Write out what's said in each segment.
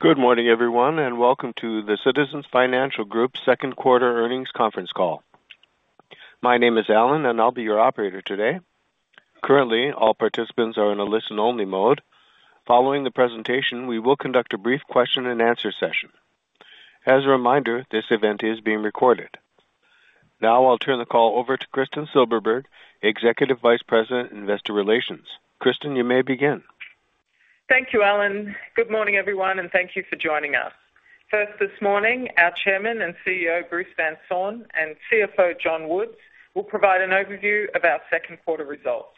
Good morning, everyone, and welcome to the Citizens Financial Group second quarter earnings conference call. My name is Alan, and I'll be your operator today. Currently, all participants are in a listen-only mode. Following the presentation, we will conduct a brief question-and-answer session. As a reminder, this event is being recorded. Now I'll turn the call over to Kristin Silberberg, Executive Vice President, Investor Relations. Kristin, you may begin. Thank you, Alan. Good morning, everyone, and thank you for joining us. First, this morning, our Chairman and CEO, Bruce Van Saun, and CFO, John Woods, will provide an overview of our second quarter results.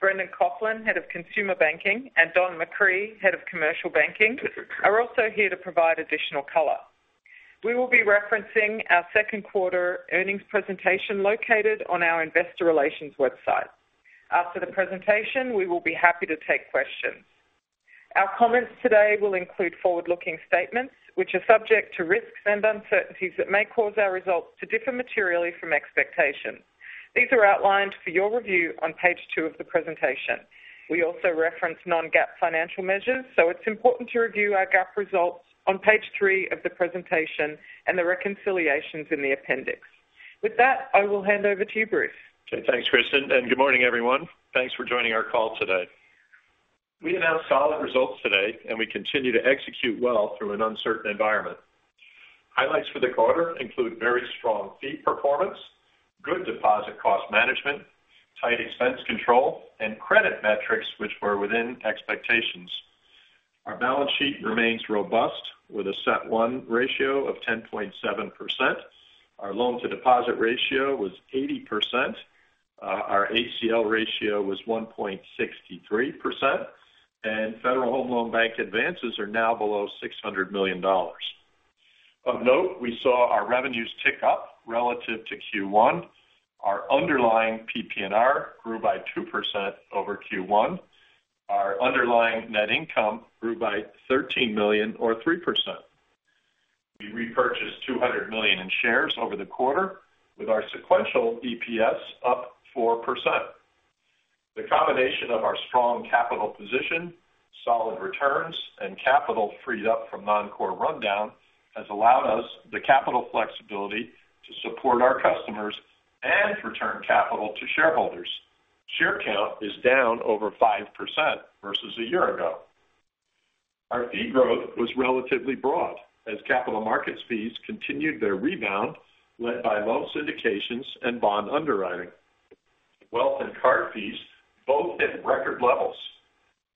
Brendan Coughlin, Head of Consumer Banking, and Don McCree, Head of Commercial Banking, are also here to provide additional color. We will be referencing our second quarter earnings presentation located on our investor relations website. After the presentation, we will be happy to take questions. Our comments today will include forward-looking statements, which are subject to risks and uncertainties that may cause our results to differ materially from expectations. These are outlined for your review on page two of the presentation. We also reference non-GAAP financial measures, so it's important to review our GAAP results on page three of the presentation and the reconciliations in the appendix. With that, I will hand over to you, Bruce. Okay, thanks, Kristin, and good morning, everyone. Thanks for joining our call today. We announced solid results today, and we continue to execute well through an uncertain environment. Highlights for the quarter include very strong fee performance, good deposit cost management, tight expense control, and credit metrics which were within expectations. Our balance sheet remains robust with a CET1 ratio of 10.7%. Our loan-to-deposit ratio was 80%. Our ACL ratio was 1.63%, and Federal Home Loan Bank advances are now below $600 million. Of note, we saw our revenues tick up relative to Q1. Our underlying PPNR grew by 2% over Q1. Our underlying net income grew by $13 million or 3%. We repurchased $200 million in shares over the quarter, with our sequential EPS up 4%. The combination of our strong capital position, solid returns, and capital freed up from non-core rundown has allowed us the capital flexibility to support our customers and return capital to shareholders. Share count is down over 5% versus a year ago. Our fee growth was relatively broad as capital markets fees continued their rebound, led by loan syndications and bond underwriting. Wealth and card fees both hit record levels.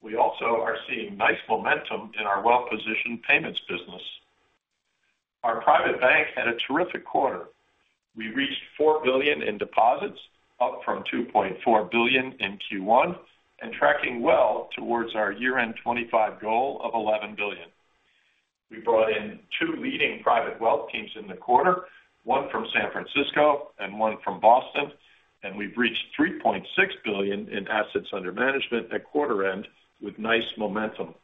We also are seeing nice momentum in our well-positioned payments business. Our private bank had a terrific quarter. We reached $4 billion in deposits, up from $2.4 billion in Q1, and tracking well towards our year-end 2025 goal of $11 billion. We brought in two leading private wealth teams in the quarter, one from San Francisco and one from Boston, and we've reached $3.6 billion in assets under management at quarter end with nice momentum.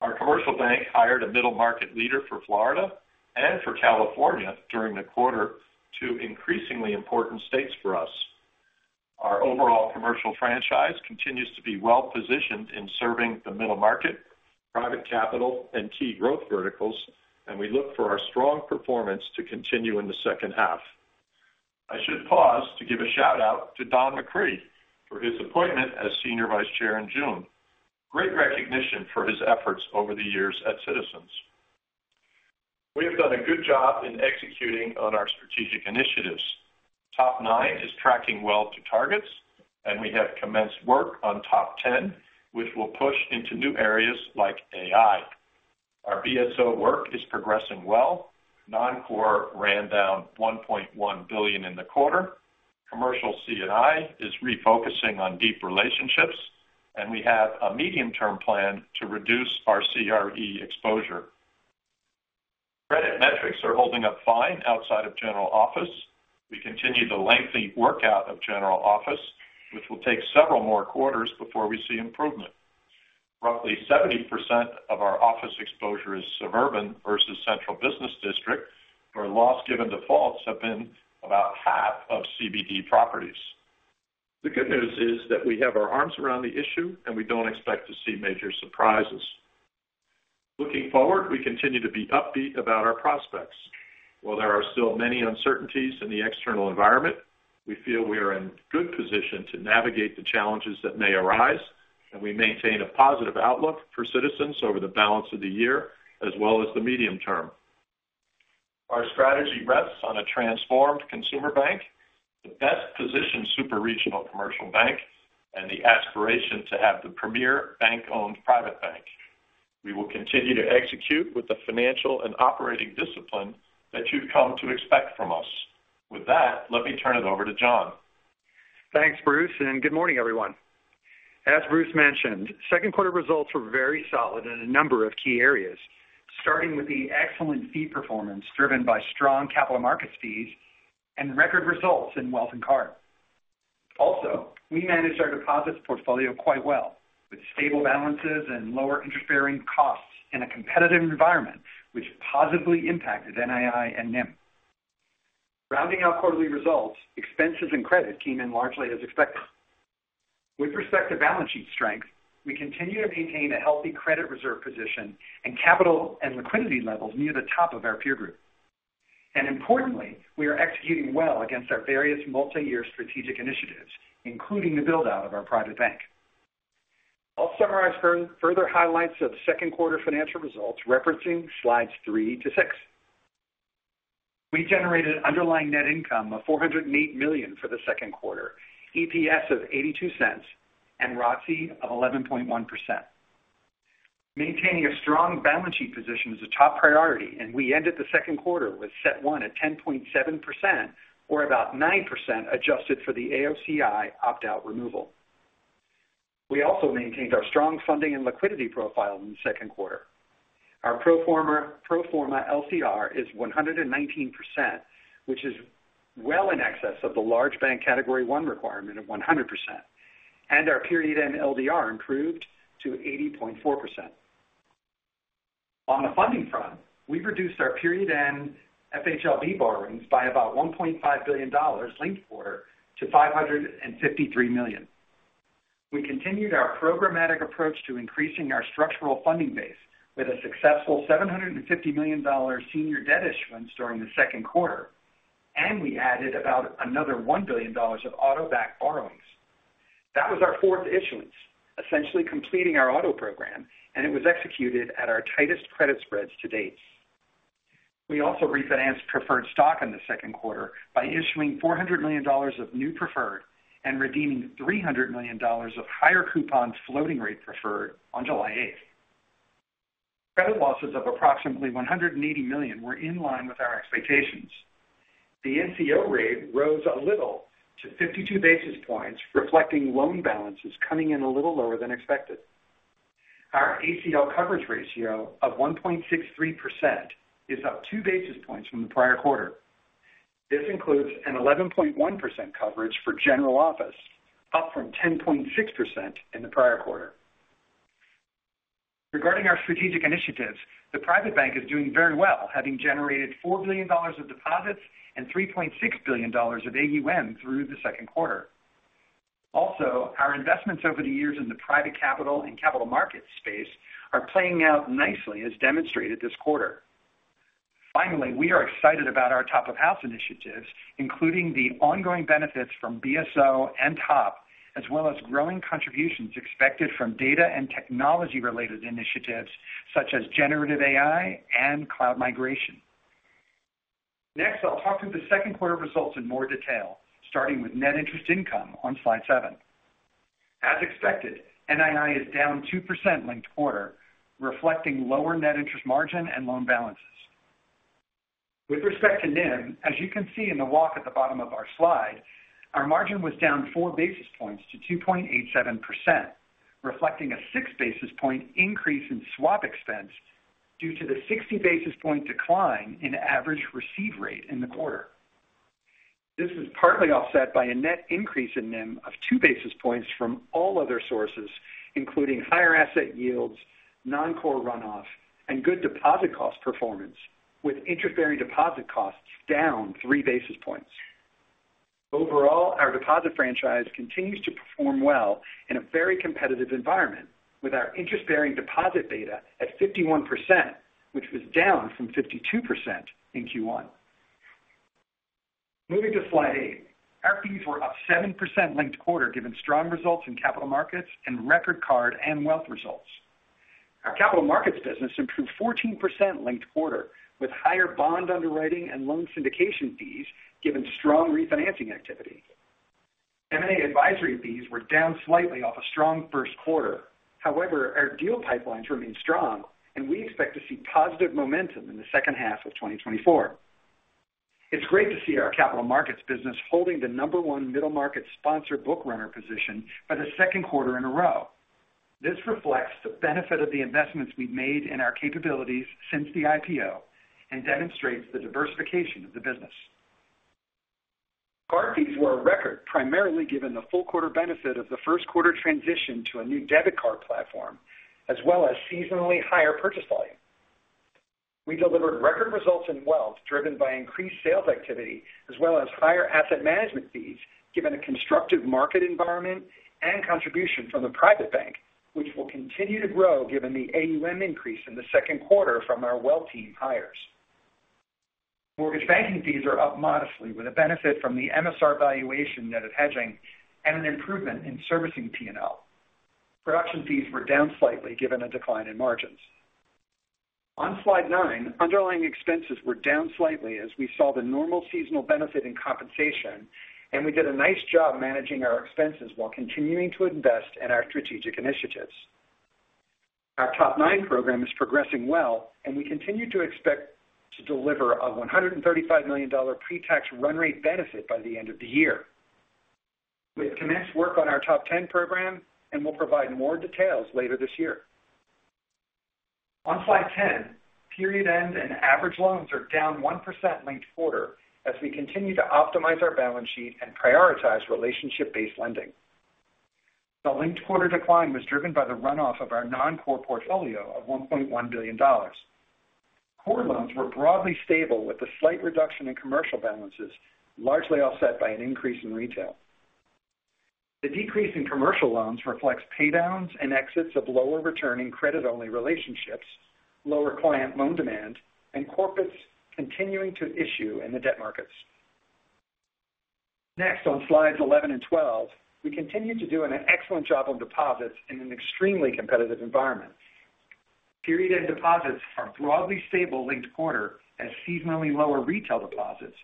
Our commercial bank hired a middle market leader for Florida and for California during the quarter, two increasingly important states for us. Our overall commercial franchise continues to be well-positioned in serving the middle market, private capital, and key growth verticals, and we look for our strong performance to continue in the second half. I should pause to give a shout-out to Don McCree for his appointment as Senior Vice Chair in June. Great recognition for his efforts over the years at Citizens. We have done a good job in executing on our strategic initiatives. TOP 9 is tracking well to targets, and we have commenced work on TOP 10, which will push into new areas like AI. Our BSO work is progressing well. Non-core ran down $1.1 billion in the quarter. Commercial C&I is refocusing on deep relationships, and we have a medium-term plan to reduce our CRE exposure. Credit metrics are holding up fine outside of General Office. We continue the lengthy workout of General Office, which will take several more quarters before we see improvement. Roughly 70% of our office exposure is suburban versus central business district, where loss given defaults have been about half of CBD properties. The good news is that we have our arms around the issue, and we don't expect to see major surprises. Looking forward, we continue to be upbeat about our prospects. While there are still many uncertainties in the external environment, we feel we are in good position to navigate the challenges that may arise, and we maintain a positive outlook for Citizens over the balance of the year as well as the medium term. Our strategy rests on a transformed consumer bank, the best-positioned superregional commercial bank, and the aspiration to have the premier bank-owned private bank. We will continue to execute with the financial and operating discipline that you've come to expect from us. With that, let me turn it over to John. Thanks, Bruce, and good morning, everyone. As Bruce mentioned, second quarter results were very solid in a number of key areas, starting with the excellent fee performance, driven by strong capital markets fees and record results in wealth and card. Also, we managed our deposits portfolio quite well, with stable balances and lower interfering costs in a competitive environment, which positively impacted NII and NIM. Rounding out quarterly results, expenses and credit came in largely as expected. With respect to balance sheet strength, we continue to maintain a healthy credit reserve position and capital and liquidity levels near the top of our peer group. And importantly, we are executing well against our various multi-year strategic initiatives, including the build-out of our private bank. I'll summarize further highlights of the second quarter financial results, Slides three to six. We generated underlying net income of $408 million for the second quarter, EPS of $0.82, and ROTCE of 11.1%. Maintaining a strong balance sheet position is a top priority, and we ended the second quarter with CET1 at 10.7% or about 9% adjusted for the AOCI opt-out removal. We also maintained our strong funding and liquidity profile in the second quarter. Our pro forma LCR is 119%, which is well in excess of the large bank category one requirement of 100%, and our period end LDR improved to 80.4%. On the funding front, we've reduced our period end FHLB borrowings by about $1.5 billion linked quarter to $553 million. We continued our programmatic approach to increasing our structural funding base with a successful $750 million senior debt issuance during the second quarter, and we added about another $1 billion of auto-backed borrowings. That was our fourth issuance, essentially completing our auto program, and it was executed at our tightest credit spreads to date. We also refinanced preferred stock in the second quarter by issuing $400 million of new preferred and redeeming $300 million of higher coupon floating rate preferred on July 8. Credit losses of approximately $180 million were in line with our expectations. The NCO rate rose a little to 52 basis points, reflecting loan balances coming in a little lower than expected. Our ACL coverage ratio of 1.63% is up 2 basis points from the prior quarter. This includes an 11.1% coverage for general office, up from 10.6% in the prior quarter. Regarding our strategic initiatives, the private bank is doing very well, having generated $4 billion of deposits and $3.6 billion of AUM through the second quarter. Also, our investments over the years in the private capital and capital markets space are playing out nicely as demonstrated this quarter. Finally, we are excited about our top of house initiatives, including the ongoing benefits from BSO and TOP, as well as growing contributions expected from data and technology-related initiatives such as generative AI and cloud migration. Next, I'll talk through the second quarter results in more detail, starting with net interest Slide seven. as expected, NII is down 2% linked quarter, reflecting lower net interest margin and loan balances. With respect to NIM, as you can see in the walk at the bottom of Slide, our margin was down 4 basis points to 2.87%, reflecting a 6 basis point increase in swap expense due to the 60 basis point decline in average receive rate in the quarter. This is partly offset by a net increase in NIM of 2 basis points from all other sources, including higher asset yields, non-core runoff, and good deposit cost performance, with interest-bearing deposit costs down 3 basis points. Overall, our deposit franchise continues to perform well in a very competitive environment, with our interest-bearing deposit beta at 51%, which was down from 52% in Q1. Slide eight. our fees were up 7% linked quarter, given strong results in capital markets and record card and wealth results. Our capital markets business improved 14% linked quarter, with higher bond underwriting and loan syndication fees, given strong refinancing activity. M&A advisory fees were down slightly off a strong first quarter. However, our deal pipelines remain strong, and we expect to see positive momentum in the second half of 2024. It's great to see our capital markets business holding the number one middle market sponsor book runner position for the second quarter in a row. This reflects the benefit of the investments we've made in our capabilities since the IPO and demonstrates the diversification of the business. Card fees were a record, primarily given the full quarter benefit of the first quarter transition to a new debit card platform, as well as seasonally higher purchase volume. We delivered record results in wealth, driven by increased sales activity, as well as higher asset management fees, given a constructive market environment and contribution from the private bank, which will continue to grow given the AUM increase in the second quarter from our wealth team hires. Mortgage banking fees are up modestly, with a benefit from the MSR valuation net of hedging and an improvement in servicing P&L. Production fees were down slightly, given a decline in margins. Slide nine, underlying expenses were down slightly as we saw the normal seasonal benefit in compensation, and we did a nice job managing our expenses while continuing to invest in our strategic initiatives. Our TOP 9 program is progressing well, and we continue to expect to deliver a $135 million pre-tax run rate benefit by the end of the year. We have commenced work on our TOP 10 program, and we'll provide more details later this year. Slide 10, period end and average loans are down 1% linked quarter as we continue to optimize our balance sheet and prioritize relationship-based lending. The linked quarter decline was driven by the runoff of our non-core portfolio of $1.1 billion. Core loans were broadly stable, with a slight reduction in commercial balances, largely offset by an increase in retail. The decrease in commercial loans reflects paydowns and exits of lower returning credit-only relationships, lower client loan demand, and corporates continuing to issue in the debt markets. Next, Slides 11 and 12, we continue to do an excellent job on deposits in an extremely competitive environment. Period-end deposits are broadly stable linked quarter, as seasonally lower retail deposits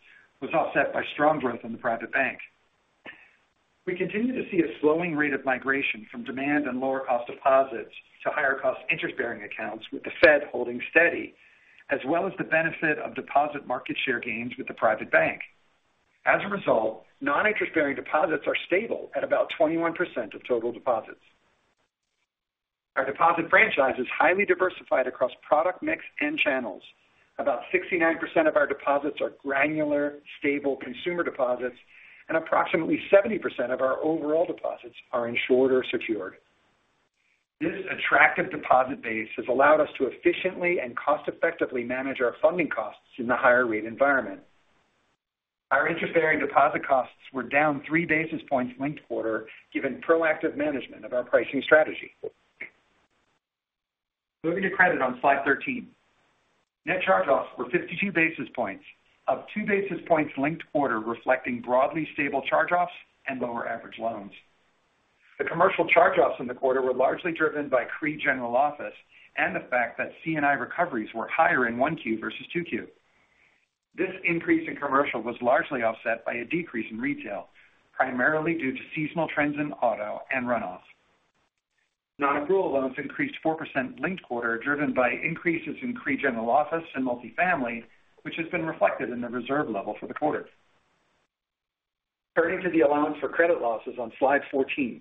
was offset by strong growth in the private bank. We continue to see a slowing rate of migration from demand and lower cost deposits to higher cost interest-bearing accounts, with the Fed holding steady, as well as the benefit of deposit market share gains with the private bank. As a result, non-interest-bearing deposits are stable at about 21% of total deposits. Our deposit franchise is highly diversified across product mix and channels. About 69% of our deposits are granular, stable consumer deposits, and approximately 70% of our overall deposits are insured or secured. This attractive deposit base has allowed us to efficiently and cost-effectively manage our funding costs in the higher rate environment. Our interest-bearing deposit costs were down three basis points linked quarter, given proactive management of our pricing strategy. Moving to credit Slide 13. Net charge-offs were 52 basis points, up 2 basis points linked-quarter, reflecting broadly stable charge-offs and lower average loans. The commercial charge-offs in the quarter were largely driven by CRE general office and the fact that C&I recoveries were higher in 1Q versus 2Q. This increase in commercial was largely offset by a decrease in retail, primarily due to seasonal trends in auto and runoffs. Nonaccrual loans increased 4% linked-quarter, driven by increases in CRE general office and multifamily, which has been reflected in the reserve level for the quarter. Turning to the allowance for credit losses Slide 14.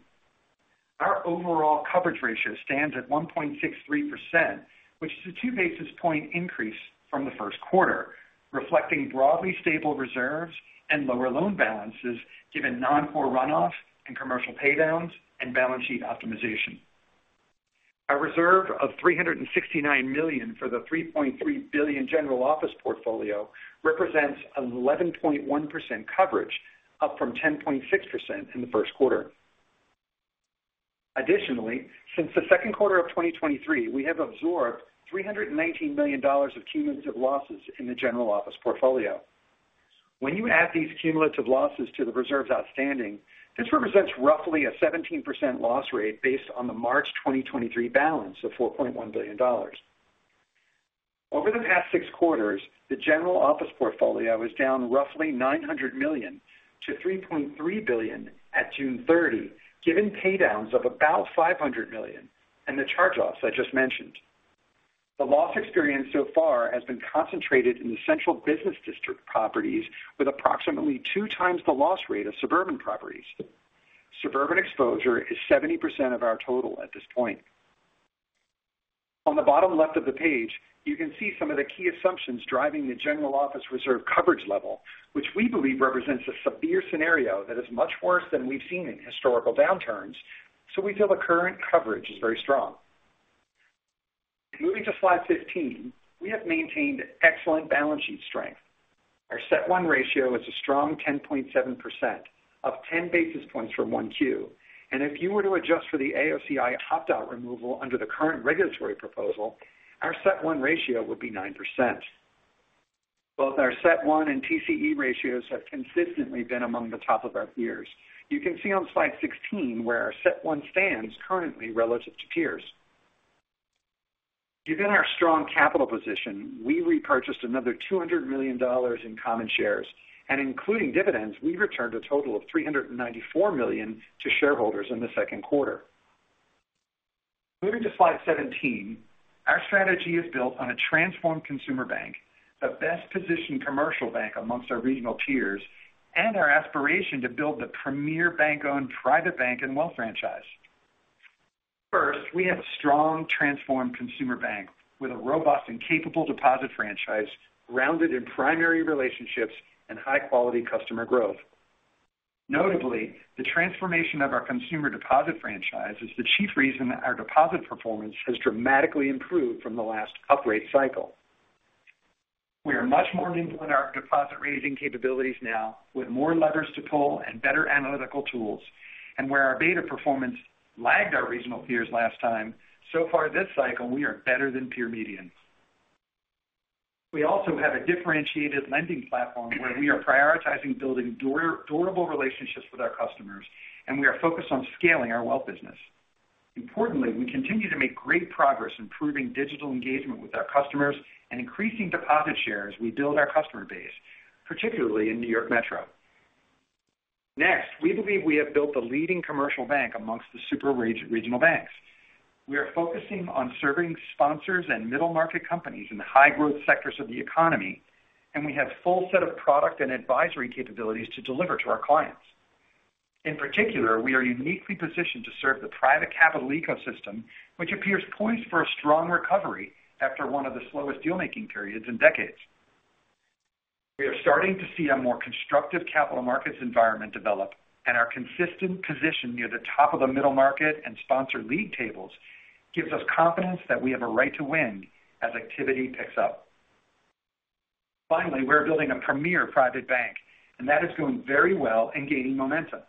Our overall coverage ratio stands at 1.63%, which is a 2 basis point increase from the first quarter, reflecting broadly stable reserves and lower loan balances, given non-core runoff and commercial paydowns and balance sheet optimization. Our reserve of $369 million for the $3.3 billion general office portfolio represents 11.1% coverage, up from 10.6% in the first quarter. Additionally, since the second quarter of 2023, we have absorbed $319 million of cumulative losses in the general office portfolio. When you add these cumulative losses to the reserves outstanding, this represents roughly a 17% loss rate based on the March 2023 balance of $4.1 billion. Over the past six quarters, the general office portfolio is down roughly $900 million to $3.3 billion at June 30, given paydowns of about $500 million and the charge-offs I just mentioned. The loss experience so far has been concentrated in the central business district properties, with approximately two times the loss rate of suburban properties. Suburban exposure is 70% of our total at this point. On the bottom left of the page, you can see some of the key assumptions driving the general office reserve coverage level, which we believe represents a severe scenario that is much worse than we've seen in historical downturns, so we feel the current coverage is very strong. Moving Slide 15, we have maintained excellent balance sheet strength. Our CET1 ratio is a strong 10.7%, up 10 basis points from 1Q. And if you were to adjust for the AOCI opt-out removal under the current regulatory proposal, our CET1 ratio would be 9%. Both our CET1 and TCE ratios have consistently been among the top of our peers. You can see Slide 16 where our CET1 stands currently relative to peers. Given our strong capital position, we repurchased another $200 million in common shares, and including dividends, we returned a total of $394 million to shareholders in the second quarter. Moving Slide 17. Our strategy is built on a transformed consumer bank, the best-positioned commercial bank amongst our regional peers, and our aspiration to build the premier bank-owned private bank and wealth franchise. First, we have a strong transformed consumer bank with a robust and capable deposit franchise grounded in primary relationships and high-quality customer growth. Notably, the transformation of our consumer deposit franchise is the chief reason that our deposit performance has dramatically improved from the last upgrade cycle. We are much more nimble in our deposit-raising capabilities now, with more levers to pull and better analytical tools, and where our beta performance lagged our regional peers last time, so far this cycle, we are better than peer medians. We also have a differentiated lending platform where we are prioritizing building durable relationships with our customers, and we are focused on scaling our wealth business. Importantly, we continue to make great progress improving digital engagement with our customers and increasing deposit share as we build our customer base, particularly in New York Metro. Next, we believe we have built the leading commercial bank amongst the super regional banks. We are focusing on serving sponsors and middle-market companies in the high-growth sectors of the economy, and we have full set of product and advisory capabilities to deliver to our clients. In particular, we are uniquely positioned to serve the private capital ecosystem, which appears poised for a strong recovery after one of the slowest deal-making periods in decades. We are starting to see a more constructive capital markets environment develop, and our consistent position near the top of the middle market and sponsor league tables gives us confidence that we have a right to win as activity picks up. Finally, we're building a premier private bank, and that is going very well and gaining momentum.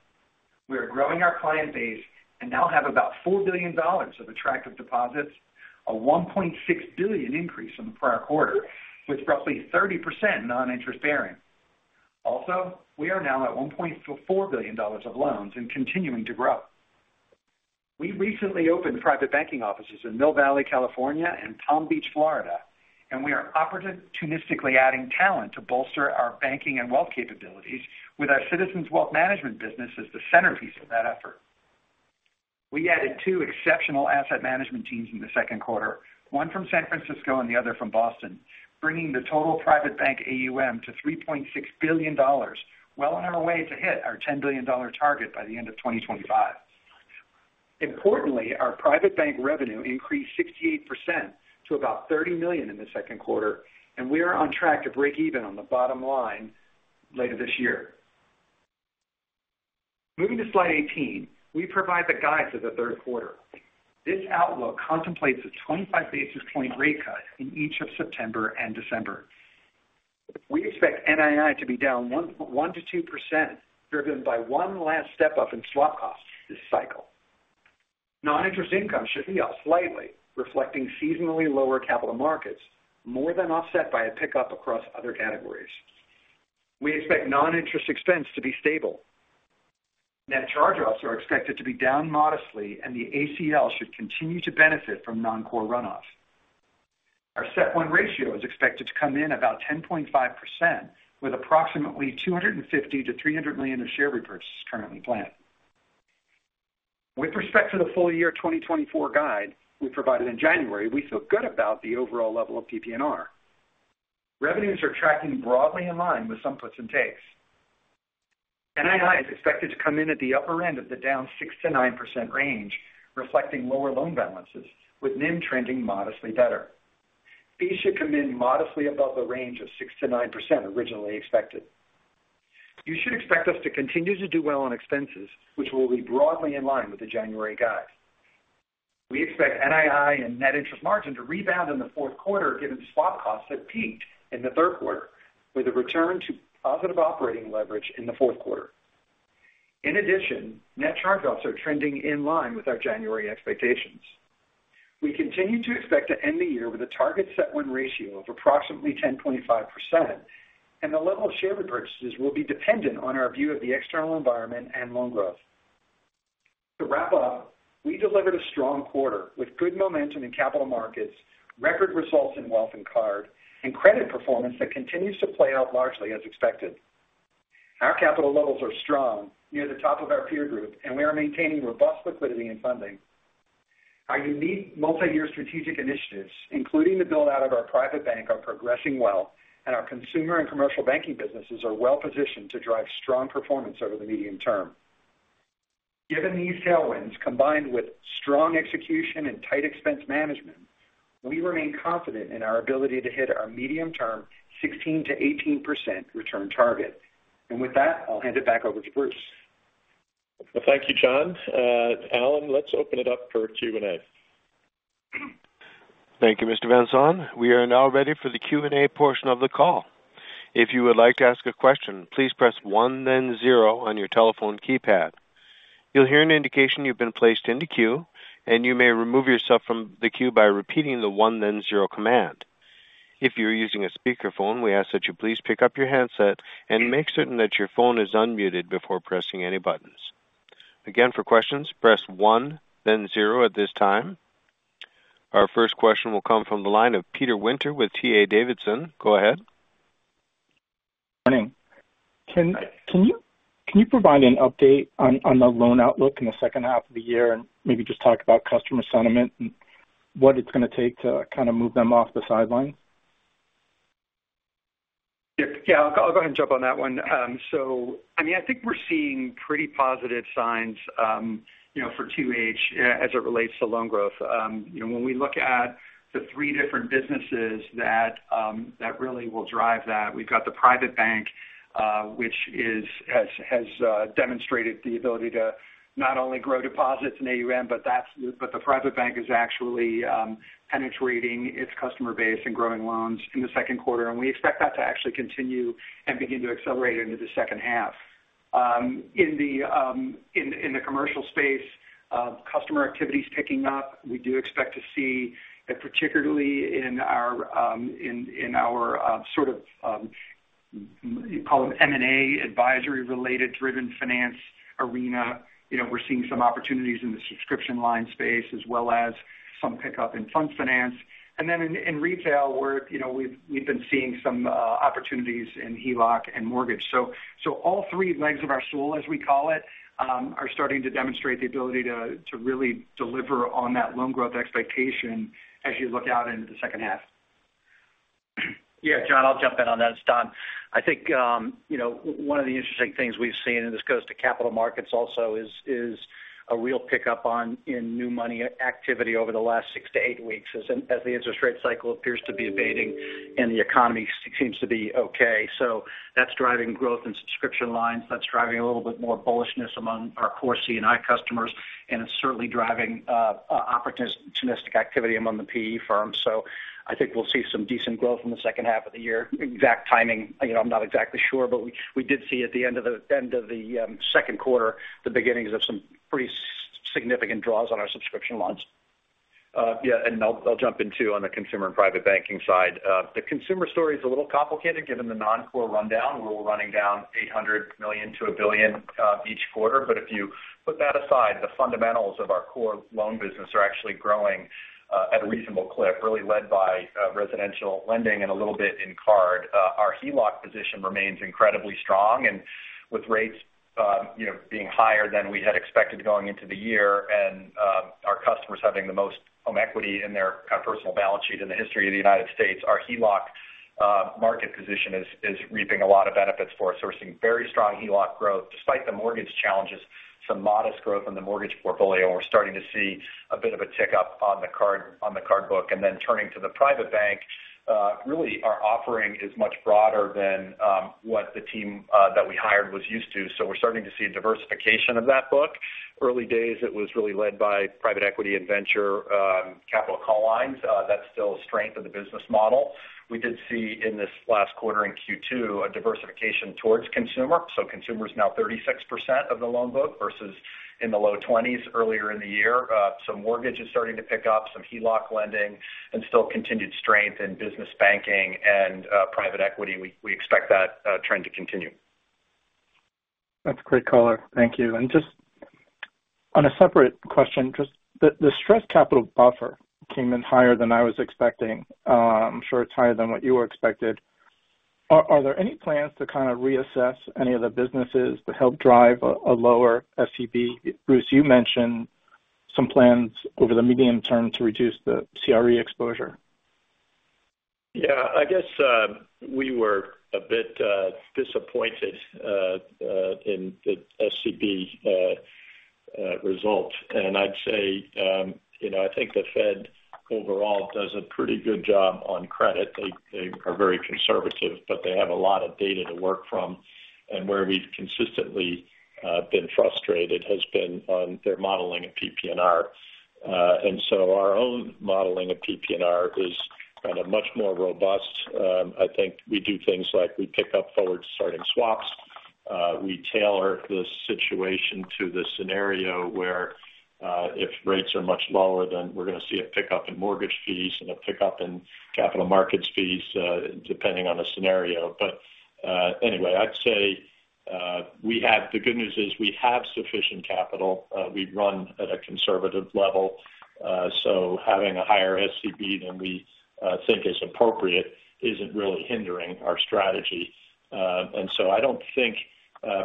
We are growing our client base and now have about $4 billion of attractive deposits, a $1.6 billion increase from the prior quarter, with roughly 30% non-interest bearing. Also, we are now at $1.4 billion of loans and continuing to grow. We recently opened private banking offices in Mill Valley, California, and Palm Beach, Florida, and we are opportunistically adding talent to bolster our banking and wealth capabilities with our Citizens Wealth Management business as the centerpiece of that effort. We added two exceptional asset management teams in the second quarter, one from San Francisco and the other from Boston, bringing the total private bank AUM to $3.6 billion, well on our way to hit our $10 billion target by the end of 2025. Importantly, our private bank revenue increased 68% to about $30 million in the second quarter, and we are on track to break even on the bottom line later this year. Moving Slide 18, we provide the guide for the third quarter. This outlook contemplates a 25 basis point rate cut in each of September and December. We expect NII to be down 1.1%-2%, driven by one last step up in swap costs this cycle. Non-interest income should be up slightly, reflecting seasonally lower capital markets, more than offset by a pickup across other categories. We expect non-interest expense to be stable. Net charge-offs are expected to be down modestly, and the ACL should continue to benefit from non-core runoff. Our CET1 ratio is expected to come in about 10.5%, with approximately $250 million-$300 million of share repurchases currently planned. With respect to the full-year 2024 guide we provided in January, we feel good about the overall level of PPNR. Revenues are tracking broadly in line with some puts and takes. NII is expected to come in at the upper end of the down 6%-9% range, reflecting lower loan balances with NIM trending modestly better. Fees should come in modestly above the range of 6%-9% originally expected. You should expect us to continue to do well on expenses, which will be broadly in line with the January guide. We expect NII and net interest margin to rebound in the fourth quarter, given swap costs have peaked in the third quarter, with a return to positive operating leverage in the fourth quarter. In addition, net charge-offs are trending in line with our January expectations. We continue to expect to end the year with a target CET1 ratio of approximately 10.5%, and the level of share repurchases will be dependent on our view of the external environment and loan growth. To wrap up, we delivered a strong quarter with good momentum in capital markets, record results in wealth and card, and credit performance that continues to play out largely as expected. Our capital levels are strong, near the top of our peer group, and we are maintaining robust liquidity and funding. Our unique multi-year strategic initiatives, including the build-out of our private bank, are progressing well, and our consumer and commercial banking businesses are well positioned to drive strong performance over the medium term. Given these tailwinds, combined with strong execution and tight expense management, we remain confident in our ability to hit our medium-term 16%-18% return target. With that, I'll hand it back over to Bruce. Well, thank you, John. Alan, let's open it up for Q&A. Thank you, Mr. Van Saun. We are now ready for the Q&A portion of the call. If you would like to ask a question, please press one, then zero on your telephone keypad. You'll hear an indication you've been placed into queue, and you may remove yourself from the queue by repeating the one, then zero command. If you're using a speakerphone, we ask that you please pick up your handset and make certain that your phone is unmuted before pressing any buttons. Again, for questions, press one, then zero at this time. Our first question will come from the line of Peter Winter with D.A. Davidson. Go ahead. Good morning. Can you provide an update on the loan outlook in the second half of the year and maybe just talk about customer sentiment and what it's going to take to kind of move them off the sideline? Yeah, yeah, I'll go ahead and jump on that one. So I mean, I think we're seeing pretty positive signs, you know, for 2H as it relates to loan growth. You know, when we look at the three different businesses that really will drive that, we've got the private bank, which has demonstrated the ability to not only grow deposits in AUM, but the private bank is actually penetrating its customer base and growing loans in the second quarter. And we expect that to actually continue and begin to accelerate into the second half. In the commercial space, customer activity is picking up. We do expect to see, particularly in our sort of, call it M&A advisory related driven finance arena. You know, we're seeing some opportunities in the subscription line space as well as some pickup in fund finance. And then in retail, we're, you know, we've been seeing some opportunities in HELOC and mortgage. So all three legs of our stool, as we call it, are starting to demonstrate the ability to really deliver on that loan growth expectation as you look out into the second half. Yeah, John, I'll jump in on that. It's Don. I think, you know, one of the interesting things we've seen, and this goes to capital markets also, is a real pickup in new money activity over the last six to eight weeks, as the interest rate cycle appears to be abating and the economy seems to be okay. So that's driving growth in subscription lines, that's driving a little bit more bullishness among our core C&I customers, and it's certainly driving opportunistic activity among the PE firms. So I think we'll see some decent growth in the second half of the year. Exact timing, you know, I'm not exactly sure, but we did see at the end of the second quarter, the beginnings of some pretty significant draws on our subscription lines. Yeah, and I'll, I'll jump in too on the consumer and private banking side. The consumer story is a little complicated given the non-core rundown. We're running down $800 million-$1 billion each quarter. But if you put that aside, the fundamentals of our core loan business are actually growing at a reasonable clip, really led by residential lending and a little bit in card. Our HELOC position remains incredibly strong, and with rates, you know, being higher than we had expected going into the year and, our customers having the most home equity in their personal balance sheet in the history of the United States, our HELOC market position is, is reaping a lot of benefits for us. So we're seeing very strong HELOC growth despite the mortgage challenges, some modest growth in the mortgage portfolio, and we're starting to see a bit of a tick up on the card, on the card book. And then turning to the private bank, really, our offering is much broader than what the team that we hired was used to. So we're starting to see a diversification of that book. Early days, it was really led by private equity and venture capital call lines. That's still a strength of the business model. We did see in this last quarter, in Q2, a diversification towards consumer. So consumer is now 36% of the loan book versus in the low twenties earlier in the year. Some mortgage is starting to pick up, some HELOC lending, and still continued strength in business banking and private equity. We expect that trend to continue. That's a great color. Thank you. Just on a separate question, just the stress capital buffer came in higher than I was expecting. I'm sure it's higher than what you were expected. Are there any plans to kind of reassess any of the businesses to help drive a lower SCB? Bruce, you mentioned some plans over the medium term to reduce the CRE exposure. Yeah, I guess we were a bit disappointed in the SCB result. And I'd say, you know, I think the Fed overall does a pretty good job on credit. They, they are very conservative, but they have a lot of data to work from. And where we've consistently been frustrated has been on their modeling of PPNR. And so our own modeling of PPNR is kind of much more robust. I think we do things like we pick up forward starting swaps. We tailor the situation to the scenario where, if rates are much lower, then we're gonna see a pickup in mortgage fees and a pickup in capital markets fees, depending on the scenario. But, anyway, I'd say, the good news is we have sufficient capital. We run at a conservative level, so having a higher SCB than we think is appropriate isn't really hindering our strategy. And so I don't think,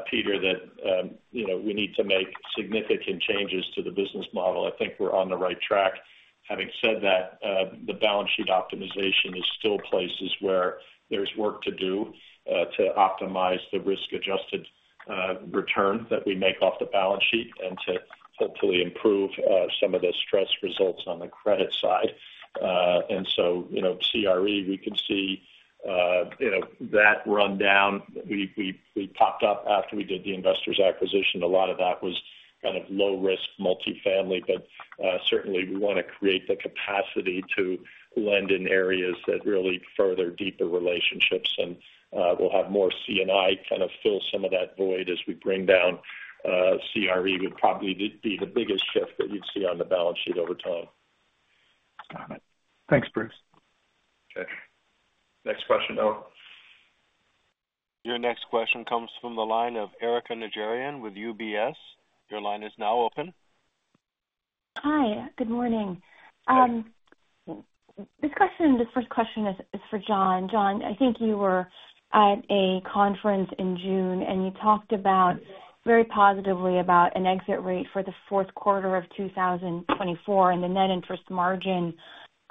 Peter, that, you know, we need to make significant changes to the business model. I think we're on the right track. Having said that, the balance sheet optimization is still places where there's work to do, to optimize the risk-adjusted, return that we make off the balance sheet and to hopefully improve, some of the stress results on the credit side. And so, you know, CRE, we can see, you know, that run down. We popped up after we did the Investors acquisition. A lot of that was kind of low risk multifamily, but certainly we want to create the capacity to lend in areas that really further deeper relationships. And we'll have more C&I kind of fill some of that void as we bring down CRE, would probably be the biggest shift that you'd see on the balance sheet over time. Got it. Thanks, Bruce. Okay. Next question, Noah. Your next question comes from the line of Erika Najarian with UBS. Your line is now open. Hi, good morning. This question, the first question, is for John. John, I think you were at a conference in June, and you talked very positively about an exit rate for the fourth quarter of 2024 and the net interest margin.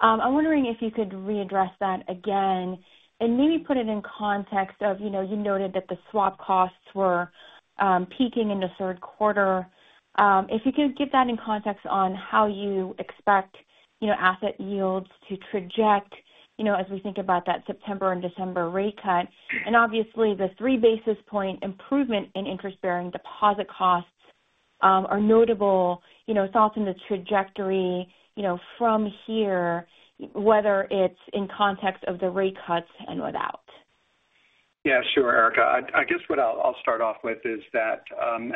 I'm wondering if you could readdress that again and maybe put it in context of, you know, you noted that the swap costs were peaking in the third quarter. If you could give that in context on how you expect, you know, asset yields trajectory, you know, as we think about that September and December rate cut. And obviously, the 3 basis point improvement in interest-bearing deposit costs are notable, you know, thoughts in the trajectory, you know, from here, whether it's in context of the rate cuts and without. Yeah, sure, Erika. I guess what I'll start off with is that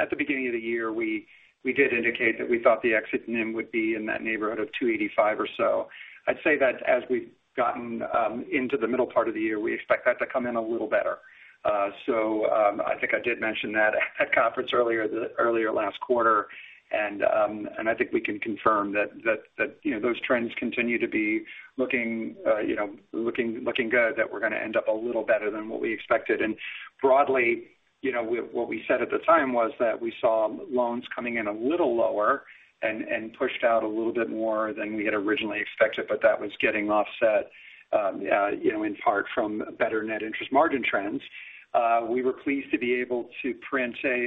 at the beginning of the year, we did indicate that we thought the exit NIM would be in that neighborhood of 2.85% or so. I'd say that as we've gotten into the middle part of the year, we expect that to come in a little better. So, I think I did mention that at conference earlier, the earlier last quarter, and I think we can confirm that, you know, those trends continue to be looking, you know, looking good, that we're gonna end up a little better than what we expected. Broadly, you know, what we said at the time was that we saw loans coming in a little lower and pushed out a little bit more than we had originally expected, but that was getting offset, you know, in part from better net interest margin trends. We were pleased to be able to print a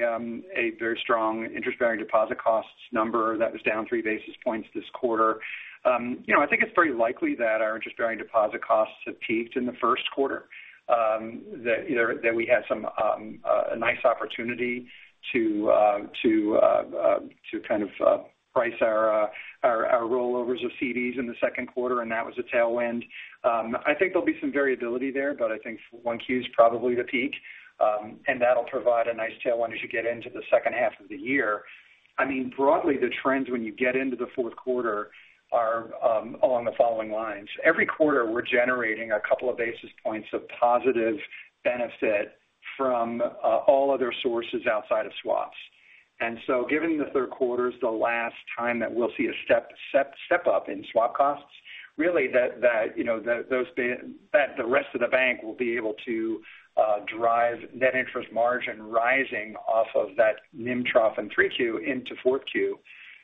very strong interest-bearing deposit costs number that was down three basis points this quarter. You know, I think it's very likely that our interest-bearing deposit costs have peaked in the first quarter, that we had some nice opportunity to kind of price our rollovers of CDs in the second quarter, and that was a tailwind. I think there'll be some variability there, but I think 1Q is probably the peak, and that'll provide a nice tailwind as you get into the second half of the year. I mean, broadly, the trends when you get into the fourth quarter are along the following lines. Every quarter, we're generating a couple of basis points of positive benefit from all other sources outside of swaps. And so given the third quarter is the last time that we'll see a step up in swap costs, really that, you know, that the rest of the bank will be able to drive net interest margin rising off of that NIM trough in 3Q into 4Q.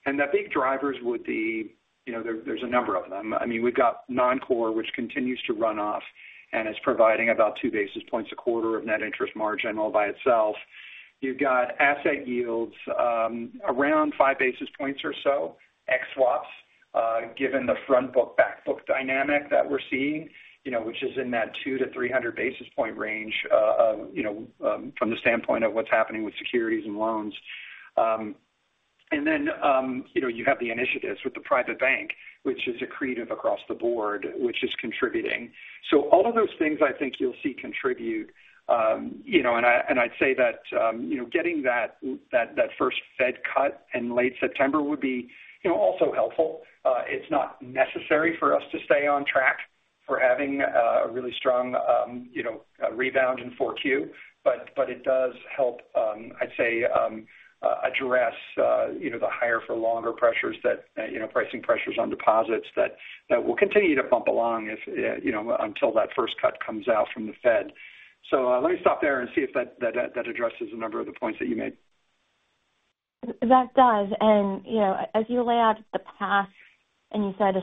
And the big drivers would be, you know, there, there's a number of them. I mean, we've got non-core, which continues to run off, and it's providing about two basis points a quarter of net interest margin all by itself. You've got asset yields, around five basis points or so, ex swaps, given the front book, back book dynamic that we're seeing, you know, which is in that 200-300 basis point range, from the standpoint of what's happening with securities and loans. And then, you know, you have the initiatives with the private bank, which is accretive across the board, which is contributing. So all of those things I think you'll see contribute. And I, I'd say that, getting that first Fed cut in late September would be, you know, also helpful. It's not necessary for us to stay on track for having a really strong, you know, a rebound in 4Q. But it does help, I'd say, address you know, the higher for longer pressures that, you know, pricing pressures on deposits that will continue to bump along if you know, until that first cut comes out from the Fed. So, let me stop there and see if that addresses a number of the points that you made. That does. And, you know, as you lay out the path, and you said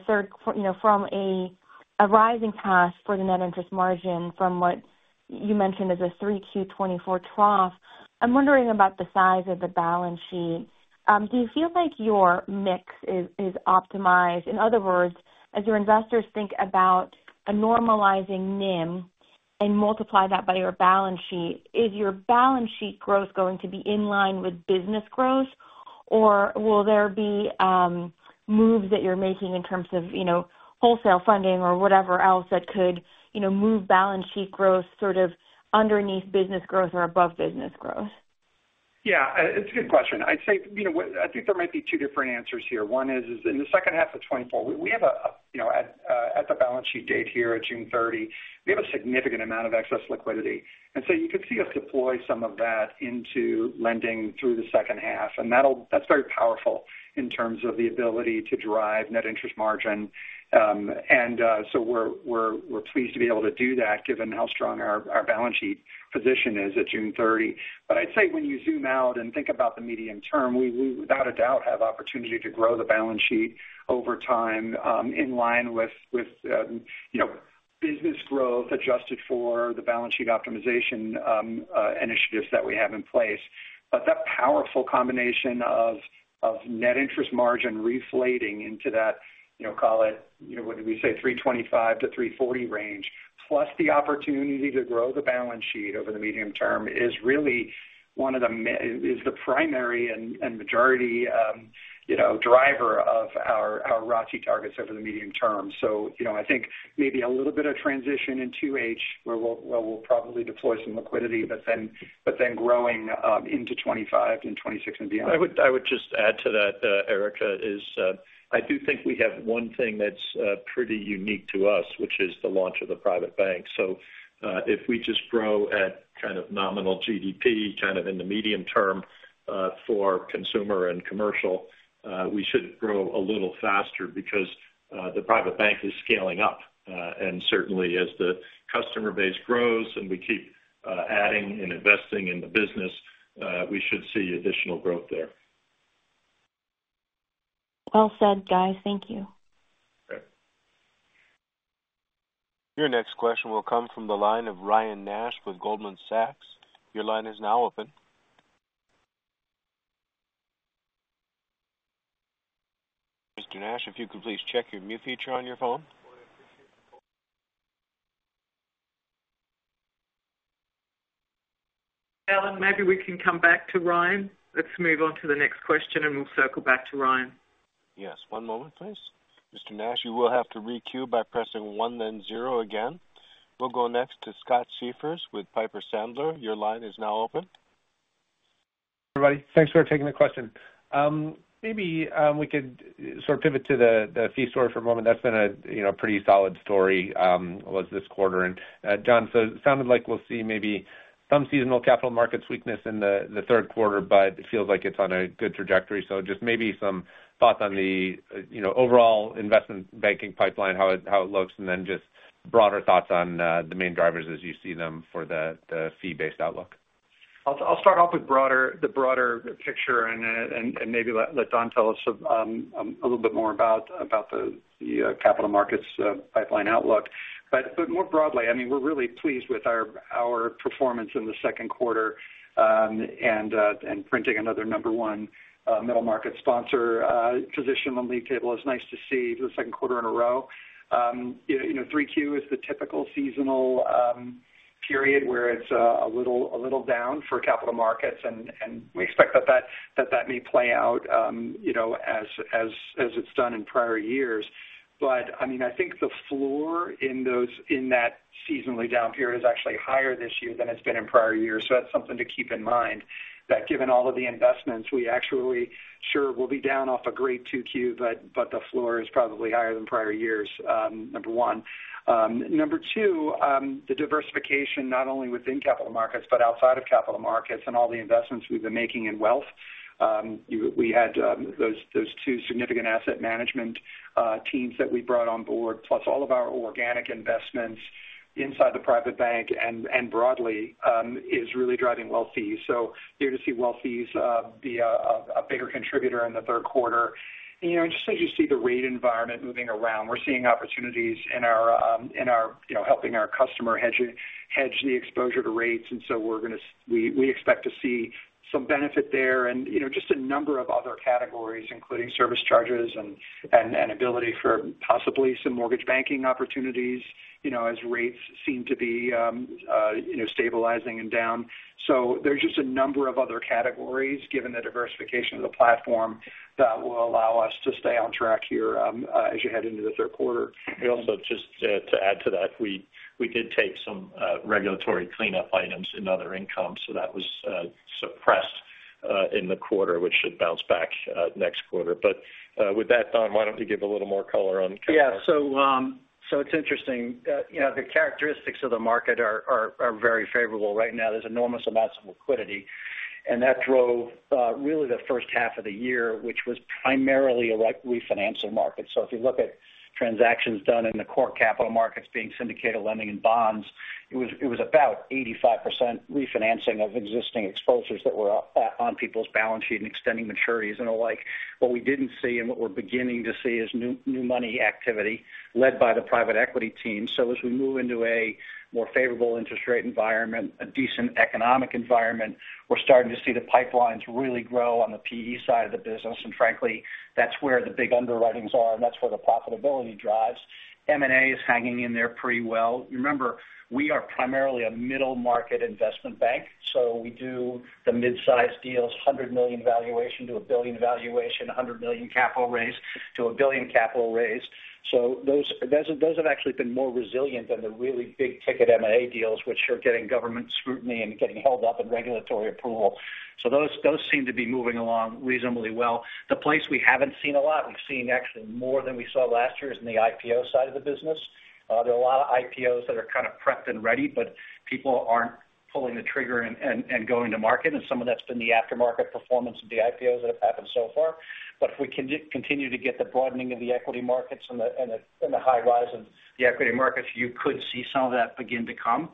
you know, from a rising path for the net interest margin from what you mentioned as a 3Q 2024 trough, I'm wondering about the size of the balance sheet. Do you feel like your mix is, is optimized? In other words, as your investors think about a normalizing NIM and multiply that by your balance sheet, is your balance sheet growth going to be in line with business growth, or will there be moves that you're making in terms of, you know, wholesale funding or whatever else that could, you know, move balance sheet growth sort of underneath business growth or above business growth? Yeah, it's a good question. I'd say, you know, I think there might be two different answers here. One is in the second half of 2024, we have a, you know, at the balance sheet date here at June 30, we have a significant amount of excess liquidity. And so you could see us deploy some of that into lending through the second half, and that's very powerful in terms of the ability to drive net interest margin. And so we're pleased to be able to do that given how strong our balance sheet position is at June 30. But I'd say when you zoom out and think about the medium term, we without a doubt have opportunity to grow the balance sheet over time, in line with with you know business growth adjusted for the balance sheet optimization initiatives that we have in place. But that powerful combination of net interest margin reflating into that you know call it you know what did we say 3.25%-3.40% range plus the opportunity to grow the balance sheet over the medium term is really one of the ma- is the primary and majority you know driver of our ROTCE targets over the medium term. So, you know, I think maybe a little bit of transition in 2H, where we'll probably deploy some liquidity, but then growing into 2025 and 2026 and beyond. I would just add to that, Erika. I do think we have one thing that's pretty unique to us, which is the launch of the private bank. So, if we just grow at kind of nominal GDP, kind of in the medium term, for consumer and commercial, we should grow a little faster because the private bank is scaling up. And certainly as the customer base grows and we keep adding and investing in the business, we should see additional growth there. Well said, guys. Thank you. Okay. Your next question will come from the line of Ryan Nash with Goldman Sachs. Your line is now open. Mr. Nash, if you could please check your mute feature on your phone. Alan, maybe we can come back to Ryan. Let's move on to the next question, and we'll circle back to Ryan. Yes, one moment, please. Mr. Nash, you will have to requeue by pressing one, then zero again. We'll go next to Scott Siefers with Piper Sandler. Your line is now open. Everybody, thanks for taking the question. Maybe we could sort of pivot to the fee story for a moment. That's been a, you know, pretty solid story was this quarter. And John, so it sounded like we'll see maybe some seasonal capital market weakness in the third quarter, but it feels like it's on a good trajectory. So just maybe some thoughts on the, you know, overall investment banking pipeline, how it looks, and then just broader thoughts on the main drivers as you see them for the fee-based outlook.... I'll start off with the broader picture and maybe let Don tell us a little bit more about the capital markets pipeline outlook. But more broadly, I mean, we're really pleased with our performance in the second quarter and printing another number one middle market sponsor position on the lead table. It's nice to see the second quarter in a row. You know, 3Q is the typical seasonal period where it's a little down for capital markets, and we expect that may play out, you know, as it's done in prior years. But I mean, I think the floor in that seasonally down period is actually higher this year than it's been in prior years. So that's something to keep in mind, that given all of the investments, we actually sure will be down off a great 2Q, but the floor is probably higher than prior years, number one. Number two, the diversification not only within capital markets, but outside of capital markets and all the investments we've been making in wealth. We had those two significant asset management teams that we brought on board, plus all of our organic investments inside the private bank and broadly is really driving wealth fees. So there to see wealth fees be a bigger contributor in the third quarter. And, you know, just as you see the rate environment moving around, we're seeing opportunities in our, in our, you know, helping our customer hedge the exposure to rates. And so we expect to see some benefit there. And, you know, just a number of other categories, including service charges and ability for possibly some mortgage banking opportunities, you know, as rates seem to be, you know, stabilizing and down. So there's just a number of other categories, given the diversification of the platform, that will allow us to stay on track here, as you head into the third quarter. Also, just to add to that, we did take some regulatory cleanup items in other income, so that was suppressed in the quarter, which should bounce back next quarter. With that, Don, why don't you give a little more color on capital? Yeah. So, so it's interesting. You know, the characteristics of the market are, are, are very favorable right now. There's enormous amounts of liquidity, and that drove, really the first half of the year, which was primarily a refinancing market. So if you look at transactions done in the core capital markets being syndicated, lending and bonds, it was, it was about 85% refinancing of existing exposures that were on people's balance sheet and extending maturities and the like. What we didn't see and what we're beginning to see is new, new money activity led by the private equity team. So as we move into a more favorable interest rate environment, a decent economic environment, we're starting to see the pipelines really grow on the PE side of the business. And frankly, that's where the big underwritings are, and that's where the profitability drives. M&A is hanging in there pretty well. Remember, we are primarily a middle market investment bank, so we do the mid-sized deals, $100 million-$1 billion valuation, $100 million-$1 billion capital raise. So those have actually been more resilient than the really big ticket M&A deals, which are getting government scrutiny and getting held up in regulatory approval. So those seem to be moving along reasonably well. The place we haven't seen a lot, we've seen actually more than we saw last year, is in the IPO side of the business. There are a lot of IPOs that are kind of prepped and ready, but people aren't pulling the trigger and going to market. And some of that's been the aftermarket performance of the IPOs that have happened so far. But if we continue to get the broadening of the equity markets and the high rise in the equity markets, you could see some of that begin to come.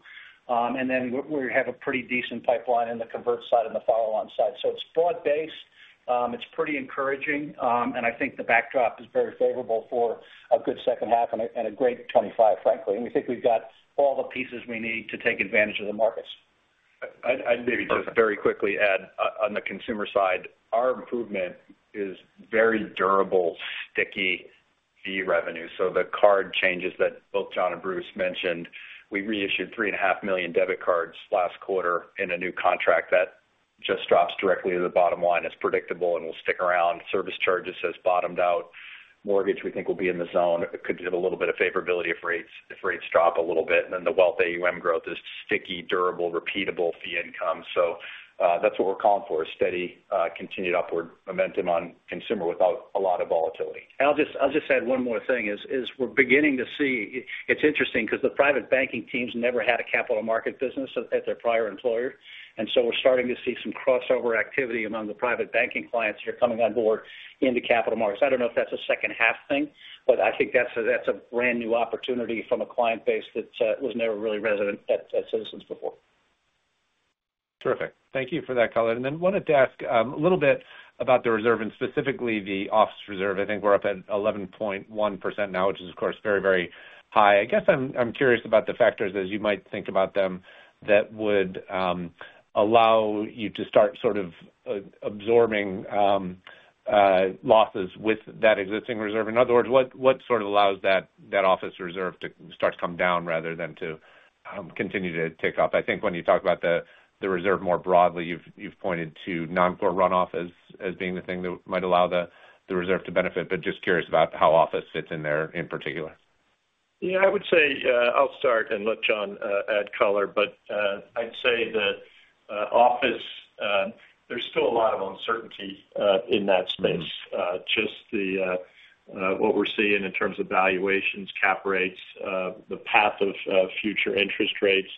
And then we have a pretty decent pipeline in the convert side and the follow-on side. So it's broad-based. It's pretty encouraging, and I think the backdrop is very favorable for a good second half and a great 25, frankly. And we think we've got all the pieces we need to take advantage of the markets. I'd maybe just very quickly add, on the consumer side, our improvement is very durable, sticky fee revenue. So the card changes that both John and Bruce mentioned, we reissued 3.5 million debit cards last quarter in a new contract that just drops directly to the bottom line. It's predictable and will stick around. Service charges has bottomed out. Mortgage, we think, will be in the zone. It could give a little bit of favorability if rates drop a little bit. And then the wealth AUM growth is sticky, durable, repeatable fee income. So, that's what we're calling for, a steady, continued upward momentum on consumer without a lot of volatility. I'll just add one more thing. We're beginning to see. It's interesting because the private banking teams never had a capital market business at their prior employer. And so we're starting to see some crossover activity among the private banking clients here coming on board in the capital markets. I don't know if that's a second half thing, but I think that's a brand new opportunity from a client base that was never really resident at Citizens before. Terrific. Thank you for that color. And then wanted to ask a little bit about the reserve and specifically the office reserve. I think we're up at 11.1% now, which is, of course, very, very high. I guess I'm curious about the factors, as you might think about them, that would allow you to start sort of absorbing losses with that existing reserve. In other words, what sort of allows that office reserve to start to come down rather than to continue to tick up? I think when you talk about the reserve more broadly, you've pointed to noncore runoff as being the thing that might allow the reserve to benefit, but just curious about how office fits in there in particular. Yeah, I would say, I'll start and let John add color. But, I'd say that, office, there's still a lot of uncertainty in that space. Just the, what we're seeing in terms of valuations, cap rates, the path of future interest rates.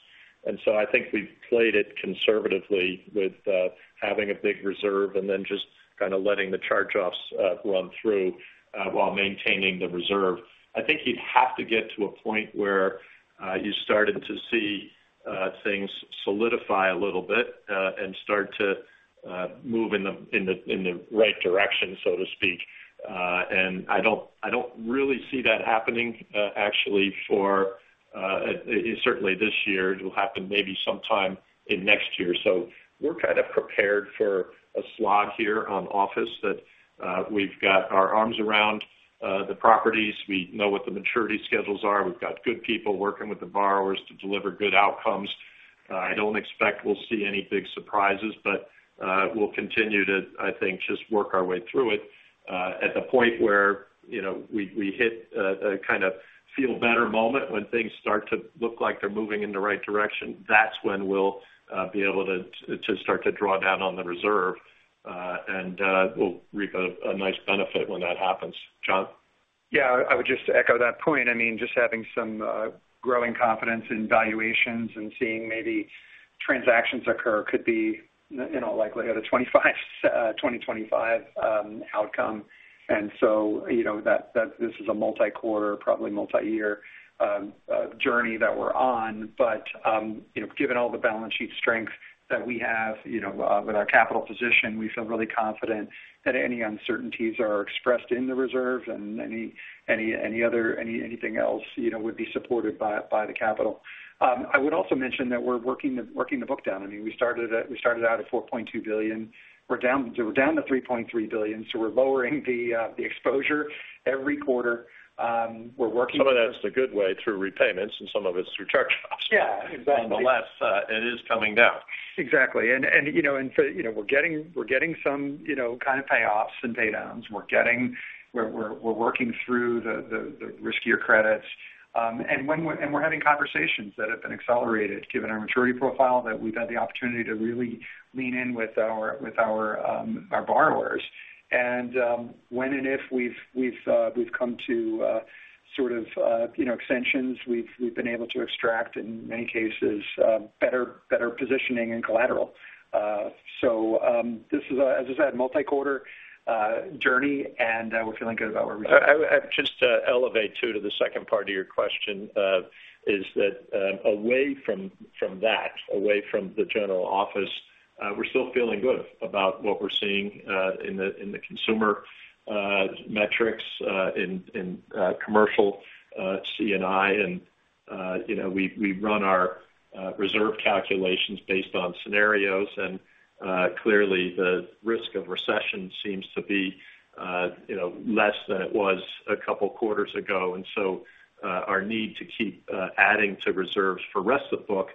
And so I think we've played it conservatively with having a big reserve and then just kind of letting the charge-offs run through while maintaining the reserve. I think you'd have to get to a point where you started to see things solidify a little bit and start to move in the right direction, so to speak. And I don't, I don't really see that happening, actually for certainly this year. It will happen maybe sometime in next year. So we're kind of prepared for a slog here on office—that we've got our arms around the properties. We know what the maturity schedules are. We've got good people working with the borrowers to deliver good outcomes. I don't expect we'll see any big surprises, but we'll continue to, I think, just work our way through it. At the point where, you know, we hit a kind of feel better moment when things start to look like they're moving in the right direction, that's when we'll be able to start to draw down on the reserve, and we'll reap a nice benefit when that happens. John? Yeah, I would just echo that point. I mean, just having some growing confidence in valuations and seeing maybe transactions occur could be in all likelihood a 2025 outcome. And so, you know, that this is a multi-quarter, probably multi-year journey that we're on. But you know, given all the balance sheet strength that we have, you know, with our capital position, we feel really confident that any uncertainties are expressed in the reserve and any other anything else, you know, would be supported by the capital. I would also mention that we're working the book down. I mean, we started out at $4.2 billion. We're down to $3.3 billion, so we're lowering the exposure every quarter. We're working- Some of that's the good way through repayments, and some of it's through charge-offs. Yeah, exactly. Nonetheless, it is coming down. Exactly. And you know, and so you know, we're getting some you know kind of payoffs and paydowns. We're getting we're working through the riskier credits. And when we're having conversations that have been accelerated, given our maturity profile, that we've had the opportunity to really lean in with our borrowers. And when and if we've come to sort of you know extensions, we've been able to extract, in many cases, better positioning and collateral. So this is, as I said, a multi-quarter journey, and we're feeling good about where we are. Just to elevate, too, to the second part of your question, is that away from that, away from the general office, we're still feeling good about what we're seeing in the consumer metrics in commercial C&I. And you know, we run our reserve calculations based on scenarios, and clearly, the risk of recession seems to be you know, less than it was a couple quarters ago. And so, our need to keep adding to reserves for rest of book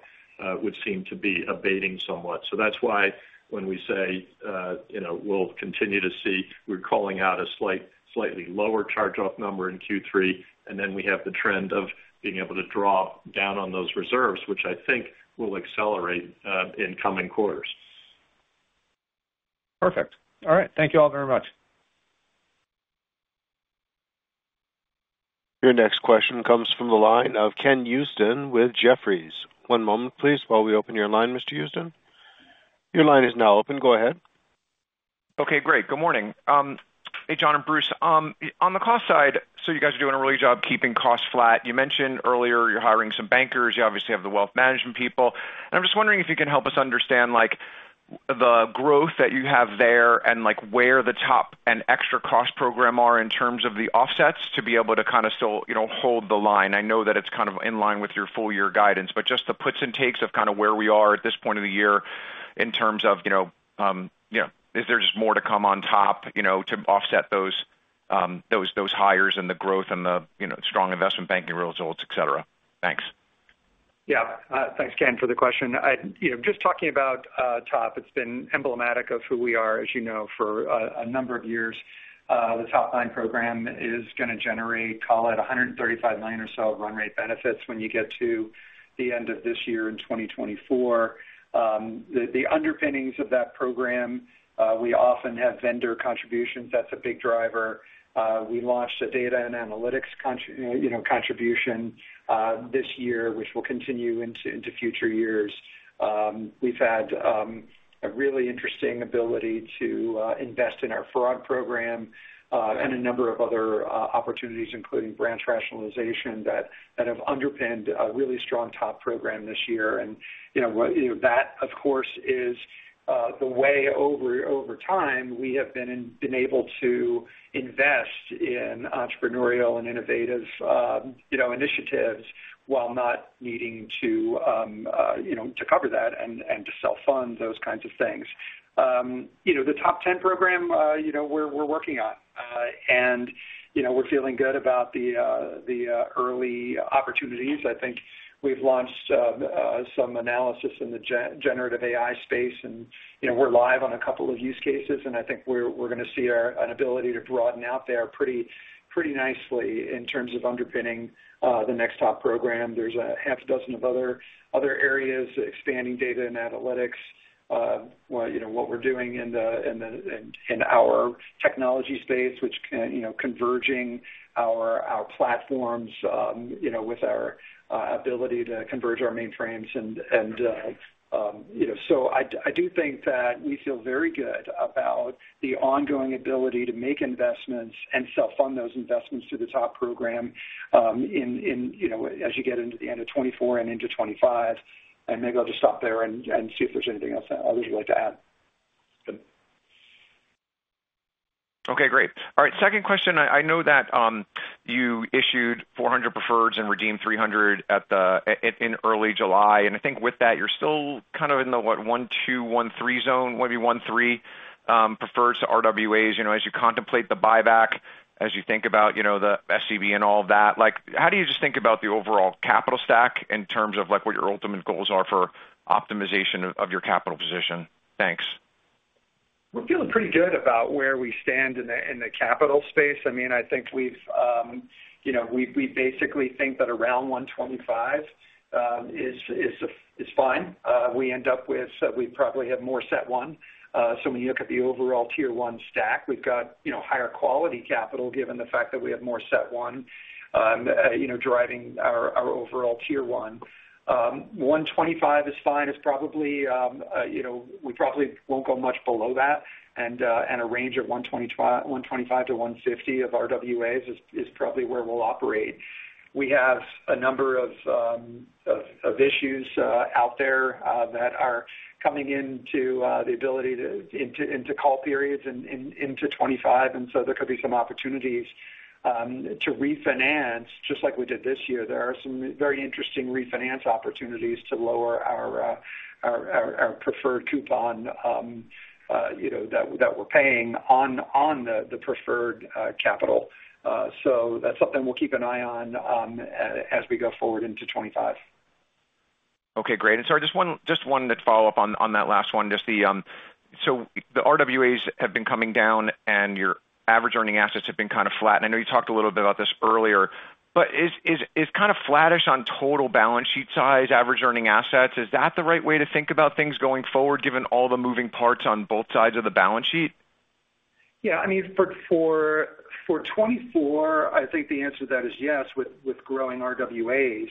would seem to be abating somewhat. So that's why when we say, you know, we'll continue to see. We're calling out a slightly lower charge off number in Q3, and then we have the trend of being able to draw down on those reserves, which I think will accelerate in coming quarters. Perfect. All right. Thank you all very much. Your next question comes from the line of Ken Usdin with Jefferies. One moment, please, while we open your line, Mr. Usdin. Your line is now open. Go ahead. Okay, great. Good morning. Hey, John and Bruce. On the cost side, so you guys are doing a really good job keeping costs flat. You mentioned earlier you're hiring some bankers. You obviously have the wealth management people. I'm just wondering if you can help us understand, like, the growth that you have there and, like, where the TOP and extra cost program are in terms of the offsets, to be able to kind of still, you know, hold the line. I know that it's kind of in line with your full year guidance, but just the puts and takes of kind of where we are at this point of the year in terms of, you know, you know, is there just more to come on top, you know, to offset those hires and the growth and the, you know, strong investment banking results, et cetera? Thanks. Yeah. Thanks, Ken, for the question. You know, just talking about TOP, it's been emblematic of who we are, as you know, for a number of years. The TOP 9 program is gonna generate, call it $135 million or so of run rate benefits when you get to the end of this year in 2024. The underpinnings of that program, we often have vendor contributions. That's a big driver. We launched a data and analytics contribution this year, which will continue into future years. We've had a really interesting ability to invest in our fraud program and a number of other opportunities, including branch rationalization, that have underpinned a really strong TOP program this year. You know, that, of course, is the way over time we have been able to invest in entrepreneurial and innovative, you know, initiatives while not needing to, you know, to cover that and to sell funds, those kinds of things. You know, the TOP 10 program, you know, we're working on, and you know, we're feeling good about the early opportunities. I think we've launched some analysis in the generative AI space, and you know, we're live on a couple of use cases, and I think we're gonna see an ability to broaden out there pretty nicely in terms of underpinning the next TOP program. There's 6 other areas, expanding data and analytics. Well, you know, what we're doing in our technology space, which can, you know, converging our platforms with our ability to converge our mainframes. And so I do think that we feel very good about the ongoing ability to make investments and self-fund those investments through the TOP program, in as you get into the end of 2024 and into 2025. And maybe I'll just stop there and see if there's anything else others would like to add. ... Okay, great. All right, second question. I know that you issued 400 preferreds and redeemed 300 at the, at, in early July, and I think with that, you're still kind of in the 1.2, 1.3 zone, maybe 1.3, preferreds to RWAs, you know, as you contemplate the buyback, as you think about, you know, the SCB and all of that, like, how do you just think about the overall capital stack in terms of like what your ultimate goals are for optimization of your capital position? Thanks. We're feeling pretty good about where we stand in the, in the capital space. I mean, I think we've, you know, we, we basically think that around 125, is, is, is fine. We end up with, we probably have more CET1. So when you look at the overall Tier 1 stack, we've got, you know, higher quality capital, given the fact that we have more CET1, you know, driving our, our overall Tier 1. 125 is fine, it's probably, you know, we probably won't go much below that, and, and a range of 125-150 of RWAs is, is probably where we'll operate. We have a number of issues out there that are coming into the ability to call periods and into 25, and so there could be some opportunities to refinance, just like we did this year. There are some very interesting refinance opportunities to lower our preferred coupon, you know, that we're paying on the preferred capital. So that's something we'll keep an eye on, as we go forward into 25. Okay, great. And sorry, just one, just one to follow up on, on that last one. Just the, so the RWAs have been coming down and your average earning assets have been kind of flat. I know you talked a little bit about this earlier, but is kind of flattish on total balance sheet size, average earning assets, is that the right way to think about things going forward, given all the moving parts on both sides of the balance sheet? Yeah, I mean, for 2024, I think the answer to that is yes, with growing RWAs.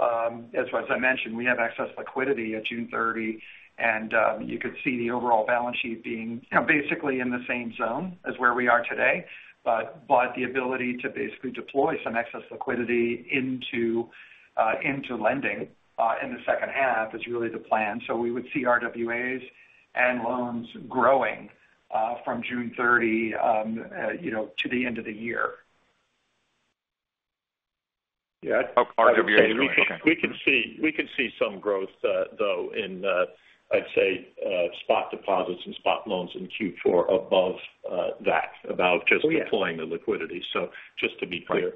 As I mentioned, we have excess liquidity at June 30, and you could see the overall balance sheet being, you know, basically in the same zone as where we are today. But the ability to basically deploy some excess liquidity into lending in the second half is really the plan. So we would see RWAs and loans growing from June 30, you know, to the end of the year. Yeah- Okay. RWA. We can see some growth, though, in, I'd say, spot deposits and spot loans in Q4 above that, about just deploying the liquidity. So just to be clear.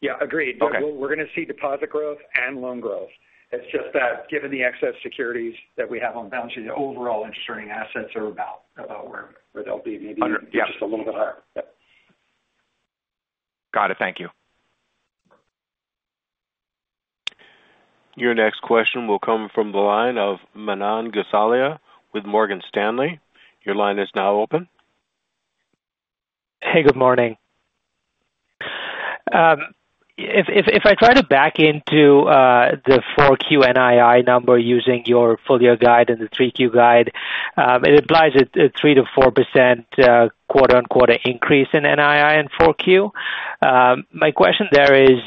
Yeah, agreed. Okay. We're going to see deposit growth and loan growth. It's just that given the excess securities that we have on balance sheet, the overall interest earning assets are about where they'll be, maybe just a little bit higher. Got it. Thank you. Your next question will come from the line of Manan Gosalia with Morgan Stanley. Your line is now open. Hey, good morning. If I try to back into the 4Q NII number using your full year guide and the 3Q guide, it implies a 3%-4% quarter-on-quarter increase in NII in 4Q. My question there is,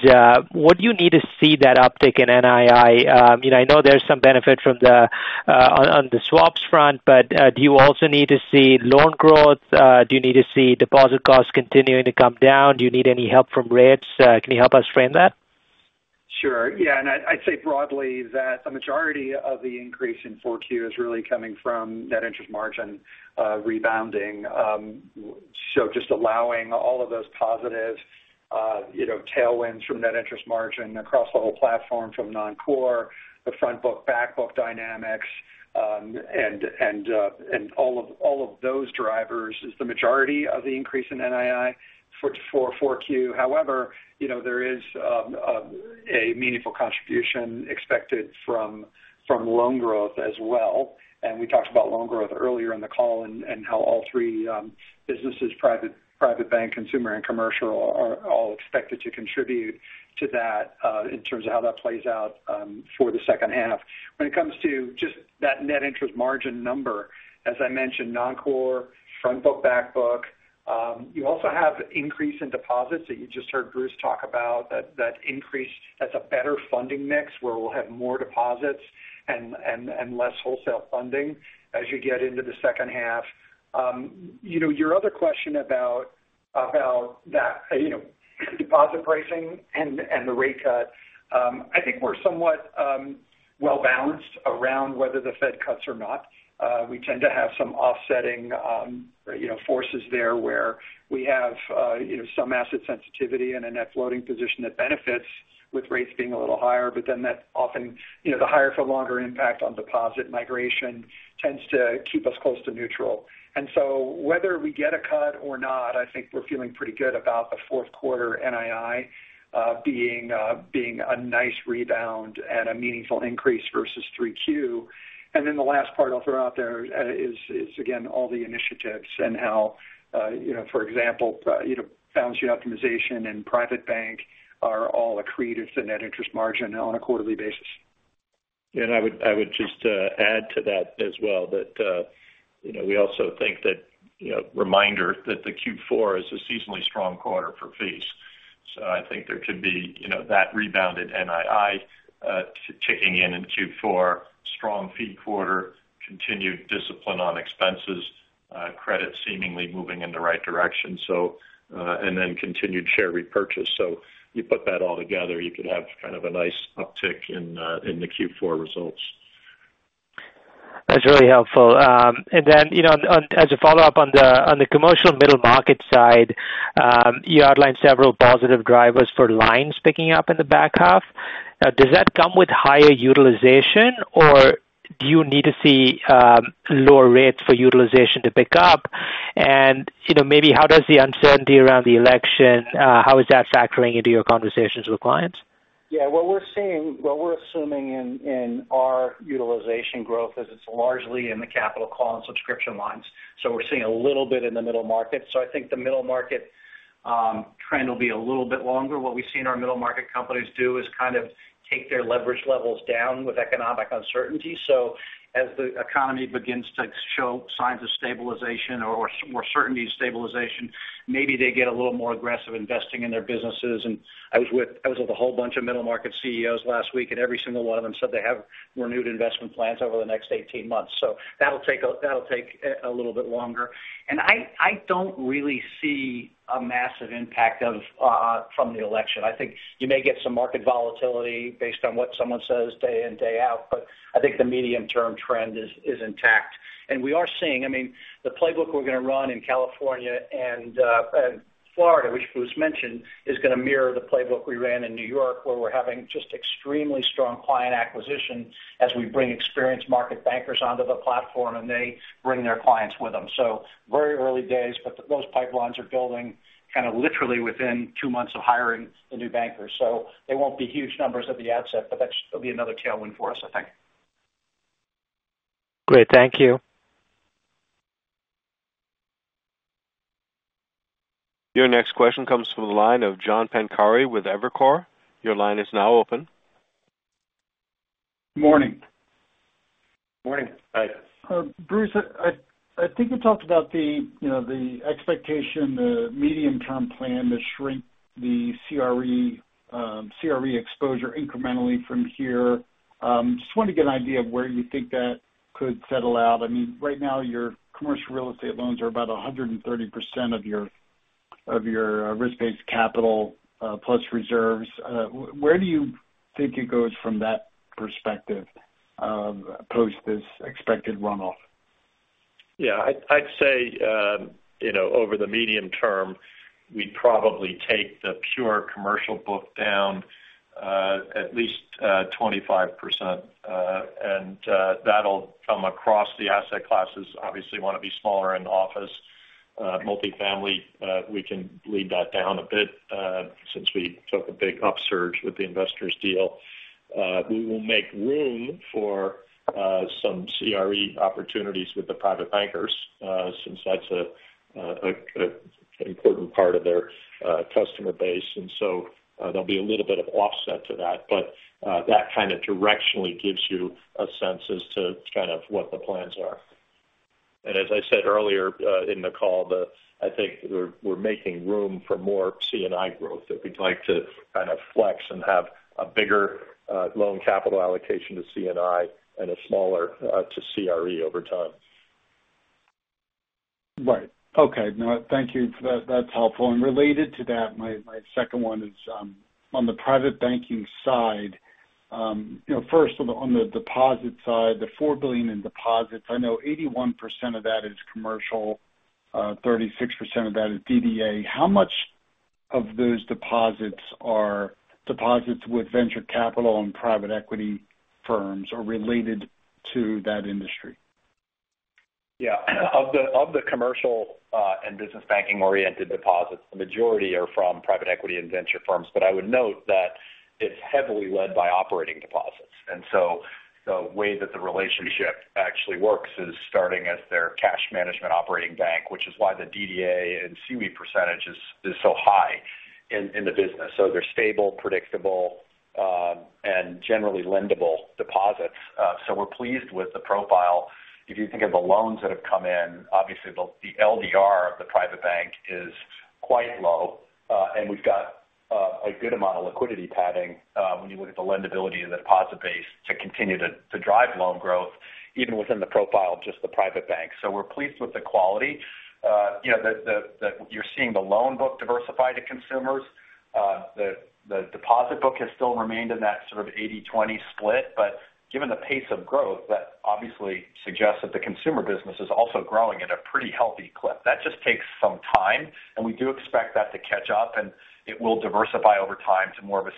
what do you need to see that uptick in NII? You know, I know there's some benefit from the on the swaps front, but, do you also need to see loan growth? Do you need to see deposit costs continuing to come down? Do you need any help from rates? Can you help us frame that? Sure. Yeah, and I, I'd say broadly that a majority of the increase in 4Q is really coming from net interest margin rebounding. So just allowing all of those positive, you know, tailwinds from net interest margin across the whole platform, from non-core, the front book, back book dynamics, and all of those drivers is the majority of the increase in NII for 4Q. However, you know, there is a meaningful contribution expected from loan growth as well. And we talked about loan growth earlier in the call and how all three businesses, private bank, consumer, and commercial are all expected to contribute to that, in terms of how that plays out, for the second half. When it comes to just that net interest margin number, as I mentioned, non-core, front book, back book. You also have increase in deposits that you just heard Bruce talk about, that increase. That's a better funding mix, where we'll have more deposits and less wholesale funding as you get into the second half. You know, your other question about that, you know, deposit pricing and the rate cut, I think we're somewhat well-balanced around whether the Fed cuts or not. We tend to have some offsetting, you know, forces there, where we have some asset sensitivity and a net floating position that benefits with rates being a little higher, but then that often, you know, the higher for longer impact on deposit migration tends to keep us close to neutral. And so whether we get a cut or not, I think we're feeling pretty good about the fourth quarter NII, being a nice rebound and a meaningful increase versus 3Q. And then the last part I'll throw out there is again, all the initiatives and how, you know, for example, you know, balance sheet optimization and private bank are all accretive to net interest margin on a quarterly basis. I would just add to that as well, that you know, we also think that, you know, reminder that the Q4 is a seasonally strong quarter for fees. So I think there could be, you know, that rebounded NII kicking in, in Q4, strong fee quarter, continued discipline on expenses, credit seemingly moving in the right direction. So, and then continued share repurchase. So you put that all together, you could have kind of a nice uptick in the Q4 results. That's really helpful. And then, you know, as a follow-up on the, on the commercial middle market side, you outlined several positive drivers for lines picking up in the back half. Now, does that come with higher utilization, or do you need to see lower rates for utilization to pick up? And, you know, maybe how does the uncertainty around the election, how is that factoring into your conversations with clients? Yeah, what we're seeing, what we're assuming in our utilization growth is it's largely in the capital call and subscription lines. So we're seeing a little bit in the middle market. So I think the middle market trend will be a little bit longer. What we see in our middle market companies do is kind of take their leverage levels down with economic uncertainty. So as the economy begins to show signs of stabilization or certainty of stabilization, maybe they get a little more aggressive investing in their businesses. And I was with a whole bunch of middle market CEOs last week, and every single one of them said they have renewed investment plans over the next 18 months. So that'll take a little bit longer. I don't really see a massive impact of from the election. I think you may get some market volatility based on what someone says day in, day out, but I think the medium-term trend is intact. And we are seeing, I mean, the playbook we're gonna run in California and, and Florida, which was mentioned, is gonna mirror the playbook we ran in New York, where we're having just extremely strong client acquisition as we bring experienced market bankers onto the platform, and they bring their clients with them. So very early days, but those pipelines are building kind of literally within two months of hiring the new bankers. So they won't be huge numbers at the outset, but that's there'll be another tailwind for us, I think. Great. Thank you. Your next question comes from the line of John Pankari with Evercore. Your line is now open. Morning. Morning. Hi. Bruce, I think you talked about the, you know, the expectation, the medium-term plan to shrink the CRE, CRE exposure incrementally from here. Just wanted to get an idea of where you think that could settle out. I mean, right now, your commercial real estate loans are about 130% of your risk-based capital, plus reserves. Where do you think it goes from that perspective, post this expected runoff? Yeah, I'd say, you know, over the medium term, we'd probably take the pure commercial book down at least 25%. And that'll come across the asset classes. Obviously want to be smaller in office. Multifamily, we can lead that down a bit, since we took a big upsurge with the Investors deal. We will make room for some CRE opportunities with the private bankers, since that's an important part of their customer base. And so, there'll be a little bit of offset to that, but that kind of directionally gives you a sense as to kind of what the plans are. As I said earlier, in the call, I think we're making room for more C&I growth, that we'd like to kind of flex and have a bigger loan capital allocation to C&I and a smaller to CRE over time. Right. Okay. No, thank you for that. That's helpful. And related to that, my second one is on the private banking side, you know, first on the deposit side, the $4 billion in deposits, I know 81% of that is commercial, 36% of that is DDA. How much of those deposits are deposits with venture capital and private equity firms are related to that industry? Yeah. Of the commercial and business banking-oriented deposits, the majority are from private equity and venture firms. But I would note that it's heavily led by operating deposits. And so the way that the relationship actually works is starting as their cash management operating bank, which is why the DDA and SV percentage is so high in the business. So they're stable, predictable, and generally lendable deposits. So we're pleased with the profile. If you think of the loans that have come in, obviously the LDR of the private bank is quite low, and we've got a good amount of liquidity padding, when you look at the lendability and the deposit base to continue to drive loan growth, even within the profile of just the private bank. So we're pleased with the quality. You know, you're seeing the loan book diversify to consumers. The deposit book has still remained in that sort of 80/20 split, but given the pace of growth, that obviously suggests that the consumer business is also growing at a pretty healthy clip. That just takes some time, and we do expect that to catch up, and it will diversify over time to more of a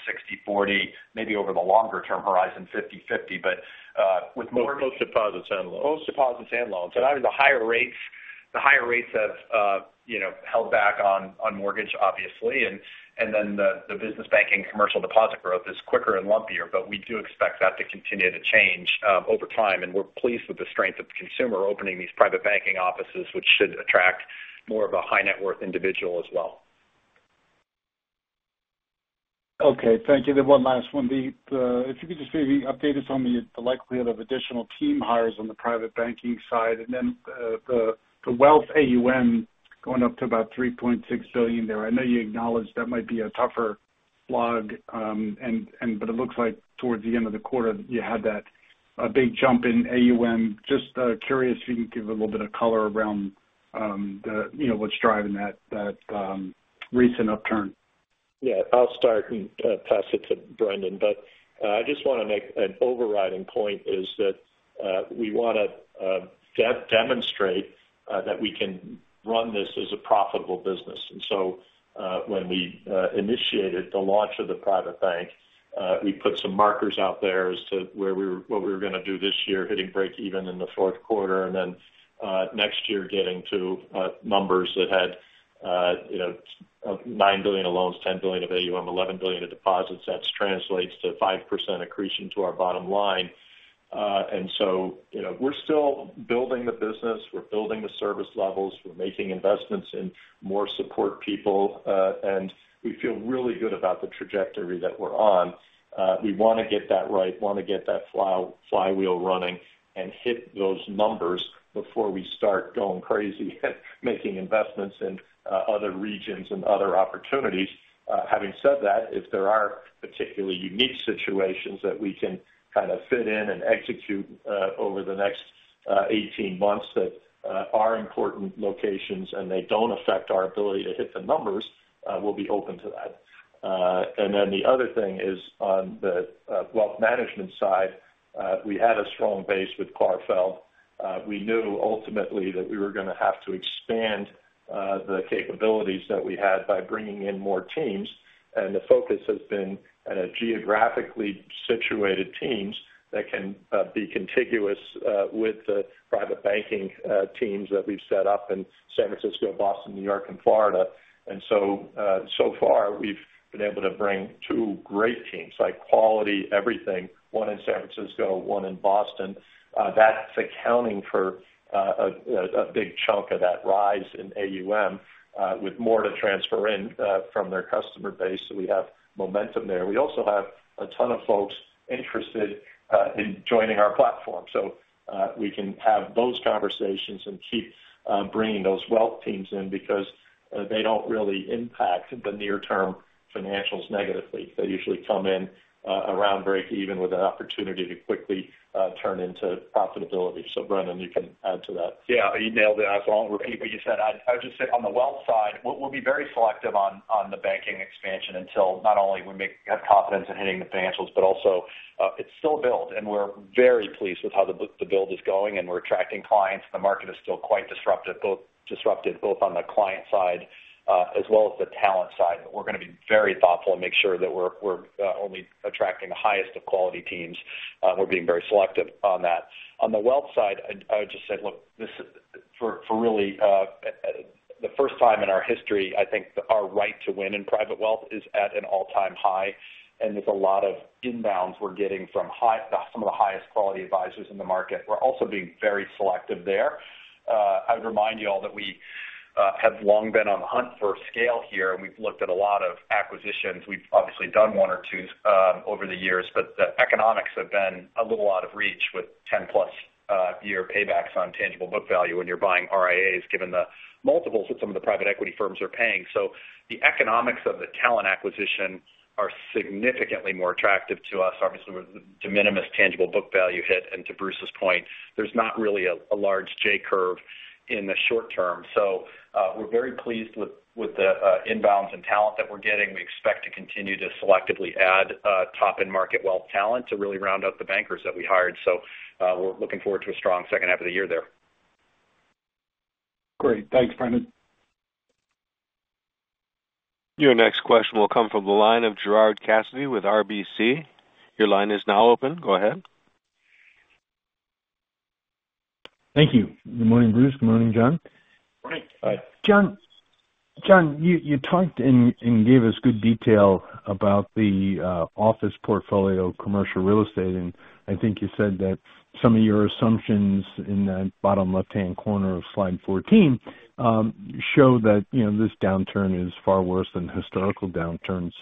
60/40, maybe over the longer term horizon, 50/50. But with more- Both deposits and loans. Both deposits and loans. And the higher rates, the higher rates have, you know, held back on mortgage, obviously, and then the business banking commercial deposit growth is quicker and lumpier, but we do expect that to continue to change over time. And we're pleased with the strength of consumer opening these private banking offices, which should attract more of a high net worth individual as well. ... Okay, thank you. Then one last one. The, if you could just maybe update us on the, the likelihood of additional team hires on the private banking side, and then, the wealth AUM going up to about $3.6 billion there. I know you acknowledged that might be a tougher slog, and but it looks like towards the end of the quarter, you had that, a big jump in AUM. Just, curious if you can give a little bit of color around, the, you know, what's driving that, recent upturn? Yeah, I'll start and pass it to Brendan. But I just want to make an overriding point is that we want to demonstrate that we can run this as a profitable business. And so, when we initiated the launch of the private bank, we put some markers out there as to where we were, what we were gonna do this year, hitting breakeven in the fourth quarter, and then next year, getting to numbers that had, you know, $9 billion of loans, $10 billion of AUM, $11 billion of deposits. That translates to 5% accretion to our bottom line. And so, you know, we're still building the business, we're building the service levels, we're making investments in more support people, and we feel really good about the trajectory that we're on. We want to get that right, want to get that flywheel running and hit those numbers before we start going crazy at making investments in other regions and other opportunities. Having said that, if there are particularly unique situations that we can kind of fit in and execute over the next 18 months that are important locations and they don't affect our ability to hit the numbers, we'll be open to that. And then the other thing is on the wealth management side, we had a strong base with Clarfeld. We knew ultimately that we were gonna have to expand the capabilities that we had by bringing in more teams, and the focus has been on geographically situated teams that can be contiguous with the private banking teams that we've set up in San Francisco, Boston, New York, and Florida. And so, so far, we've been able to bring two great teams, like quality everything, one in San Francisco, one in Boston. That's accounting for a big chunk of that rise in AUM, with more to transfer in from their customer base. So we have momentum there. We also have a ton of folks interested in joining our platform. So we can have those conversations and keep bringing those wealth teams in because they don't really impact the near-term financials negatively. They usually come in, around breakeven with an opportunity to quickly, turn into profitability. So Brendan, you can add to that. Yeah, you nailed it. I won't repeat what you said. I would just say on the wealth side, we'll be very selective on the banking expansion until not only we have confidence in hitting the financials, but also, it's still built, and we're very pleased with how the build is going, and we're attracting clients. The market is still quite disruptive, both disrupted, both on the client side, as well as the talent side. We're gonna be very thoughtful and make sure that we're only attracting the highest of quality teams. We're being very selective on that. On the wealth side, I would just say, look, this, for really, the first time in our history, I think our right to win in private wealth is at an all-time high, and there's a lot of inbounds we're getting from some of the highest quality advisors in the market. We're also being very selective there. I would remind you all that we have long been on the hunt for scale here, and we've looked at a lot of acquisitions. We've obviously done one or two over the years, but the economics have been a little out of reach with 10+ year paybacks on tangible book value when you're buying RIAs, given the multiples that some of the private equity firms are paying. So the economics of the talent acquisition are significantly more attractive to us, obviously, with de minimis tangible book value hit. And to Bruce's point, there's not really a large J-curve in the short term. So, we're very pleased with the inbounds and talent that we're getting. We expect to continue to selectively add top-end market wealth talent to really round out the bankers that we hired. So, we're looking forward to a strong second half of the year there. Great. Thanks, Brendan. Your next question will come from the line of Gerard Cassidy with RBC. Your line is now open. Go ahead. Thank you. Good morning, Bruce. Good morning, John. Morning. Hi. John, you talked and gave us good detail about the office portfolio, commercial real estate, and I think you said that some of your assumptions in the bottom left-hand corner Slide 14 show that, you know, this downturn is far worse than historical downturns.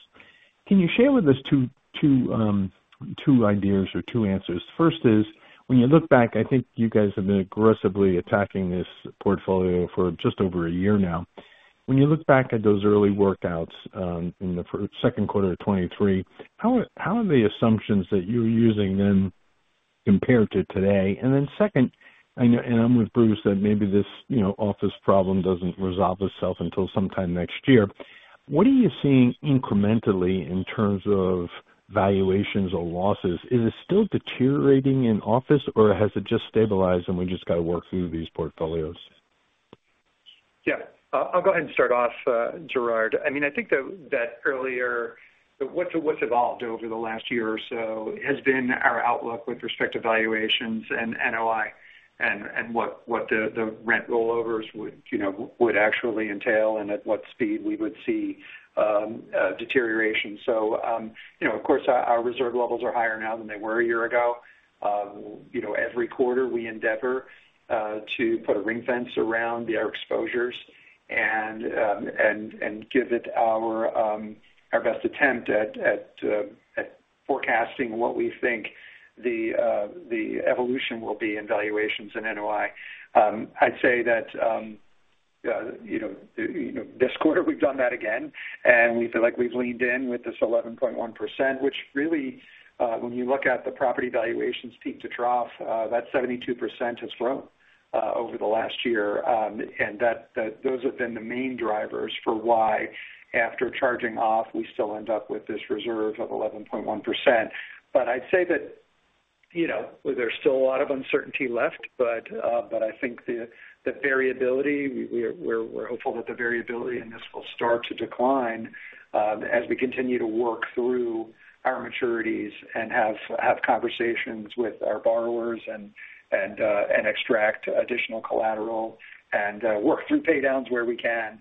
Can you share with us two ideas or two answers? First is, when you look back, I think you guys have been aggressively attacking this portfolio for just over a year now. When you look back at those early workouts in the second quarter of 2023, how are the assumptions that you're using then compared to today? And then second, I know, and I'm with Bruce, that maybe this, you know, office problem doesn't resolve itself until sometime next year. What are you seeing incrementally in terms of valuations or losses? Is it still deteriorating in office, or has it just stabilized and we just got to work through these portfolios? Yeah. I'll go ahead and start off, Gerard. I mean, I think that earlier, what's evolved over the last year or so has been our outlook with respect to valuations and NOI and what the rent rollovers would, you know, would actually entail and at what speed we would see deterioration. So, you know, of course, our reserve levels are higher now than they were a year ago. You know, every quarter we endeavor to put a ring fence around our exposures.... and give it our best attempt at forecasting what we think the evolution will be in valuations in NOI. I'd say that, you know, this quarter we've done that again, and we feel like we've leaned in with this 11.1%, which really, when you look at the property valuations peak to trough, that 72% has grown over the last year. And that those have been the main drivers for why, after charging off, we still end up with this reserve of 11.1%. But I'd say that, you know, there's still a lot of uncertainty left, but I think the variability, we're hopeful that the variability in this will start to decline, as we continue to work through our maturities and have conversations with our borrowers and extract additional collateral and work through paydowns where we can.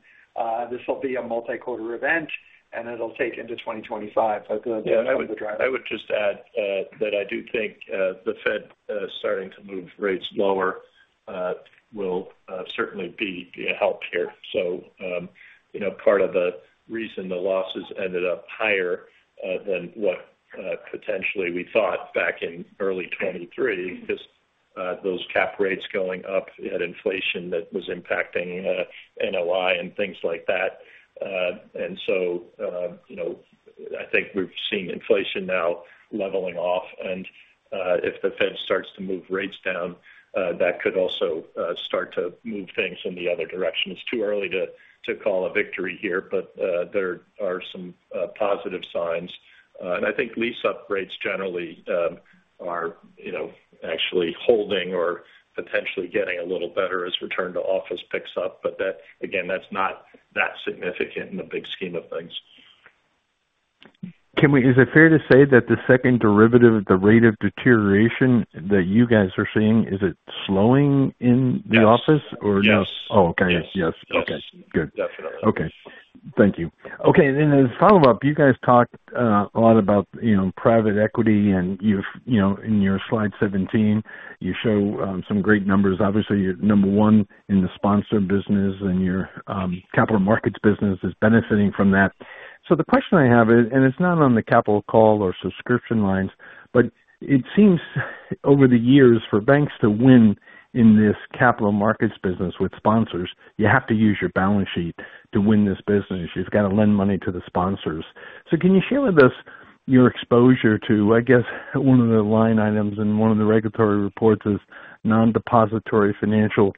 This will be a multi-quarter event, and it'll take into 2025. Yeah, I would, I would just add that I do think the Fed starting to move rates lower will certainly be a help here. So, you know, part of the reason the losses ended up higher than what potentially we thought back in early 2023, because those cap rates going up, you had inflation that was impacting NOI and things like that. And so, you know, I think we've seen inflation now leveling off, and if the Fed starts to move rates down that could also start to move things in the other direction. It's too early to, to call a victory here, but there are some positive signs. And I think lease upgrades generally are, you know, actually holding or potentially getting a little better as return to office picks up. But that, again, that's not that significant in the big scheme of things. Is it fair to say that the second derivative of the rate of deterioration that you guys are seeing is slowing in the office? Yes. Or no? Yes. Oh, okay. Yes. Okay, good. Definitely. Okay. Thank you. Okay, then as a follow-up, you guys talked a lot about, you know, private equity, and you've, you know, in Slide 17, you show some great numbers. Obviously, you're number one in the sponsor business, and your capital markets business is benefiting from that. So the question I have is, and it's not on the capital call or subscription lines, but it seems over the years, for banks to win in this capital markets business with sponsors, you have to use your balance sheet to win this business. You've got to lend money to the sponsors. So can you share with us your exposure to... I guess one of the line items in one of the regulatory reports is non-depository financial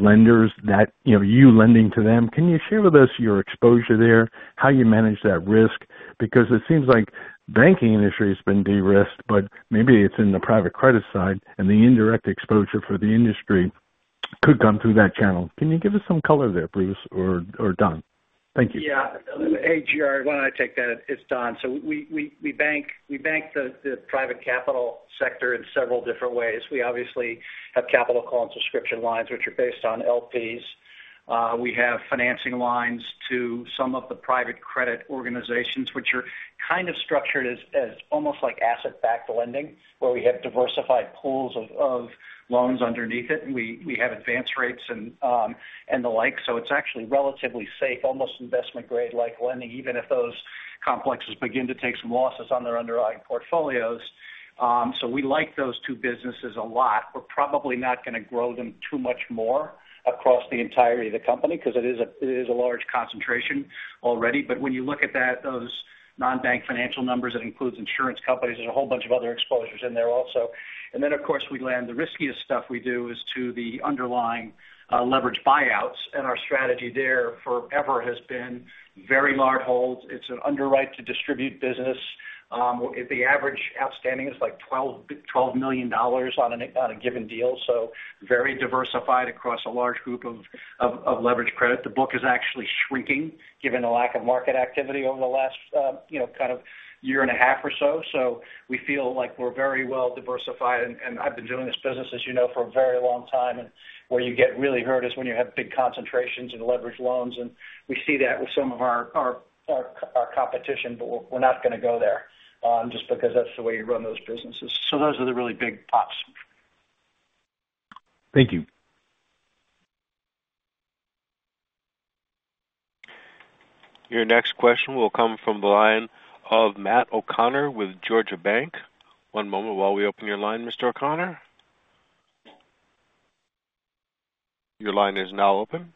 lenders that, you know, you lending to them. Can you share with us your exposure there, how you manage that risk? Because it seems like banking industry has been de-risked, but maybe it's in the private credit side, and the indirect exposure for the industry could come through that channel. Can you give us some color there, please, or, or Don? Thank you. Yeah. Hey, Gary, why don't I take that? It's Don. So we bank the private capital sector in several different ways. We obviously have capital call and subscription lines, which are based on LPs. We have financing lines to some of the private credit organizations, which are kind of structured as almost like asset-backed lending, where we have diversified pools of loans underneath it, and we have advance rates and the like. So it's actually relatively safe, almost investment grade like lending, even if those complexes begin to take some losses on their underlying portfolios. So we like those two businesses a lot. We're probably not gonna grow them too much more across the entirety of the company because it is a large concentration already. But when you look at that, those non-bank financial numbers, that includes insurance companies and a whole bunch of other exposures in there also. And then, of course, we lend the riskiest stuff we do is to the underlying leveraged buyouts, and our strategy there forever has been very large holds. It's an underwrite to distribute business. The average outstanding is, like, $12 million on a given deal, so very diversified across a large group of leveraged credit. The book is actually shrinking given the lack of market activity over the last, you know, kind of year and a half or so. So we feel like we're very well diversified, and I've been doing this business, as you know, for a very long time, and where you get really hurt is when you have big concentrations in leveraged loans, and we see that with some of our competition, but we're not gonna go there, just because that's the way you run those businesses. So those are the really big pots. Thank you. Your next question will come from the line of Matt O'Connor with Deutsche Bank. One moment while we open your line, Mr. O'Connor. Your line is now open.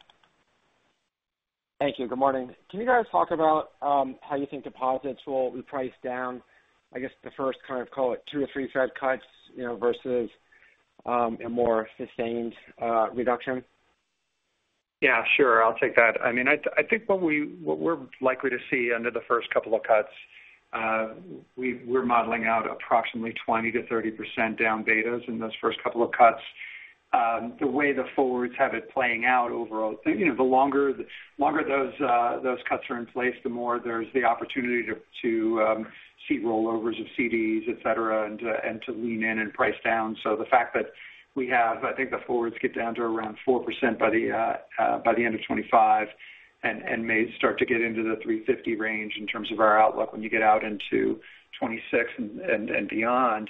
Thank you. Good morning. Can you guys talk about how you think deposits will be priced down, I guess, the first kind of, call it, 2 or 3 Fed cuts, you know, versus a more sustained reduction? Yeah, sure. I'll take that. I mean, I think what we're likely to see under the first couple of cuts, we're modeling out approximately 20%-30% down betas in those first couple of cuts. The way the forwards have it playing out overall, you know, the longer those cuts are in place, the more there's the opportunity to see rollovers of CDs, et cetera, and to lean in and price down. So the fact that we have, I think, the forwards get down to around 4% by the end of 2025 and may start to get into the 3.50 range in terms of our outlook when you get out into 2026 and beyond.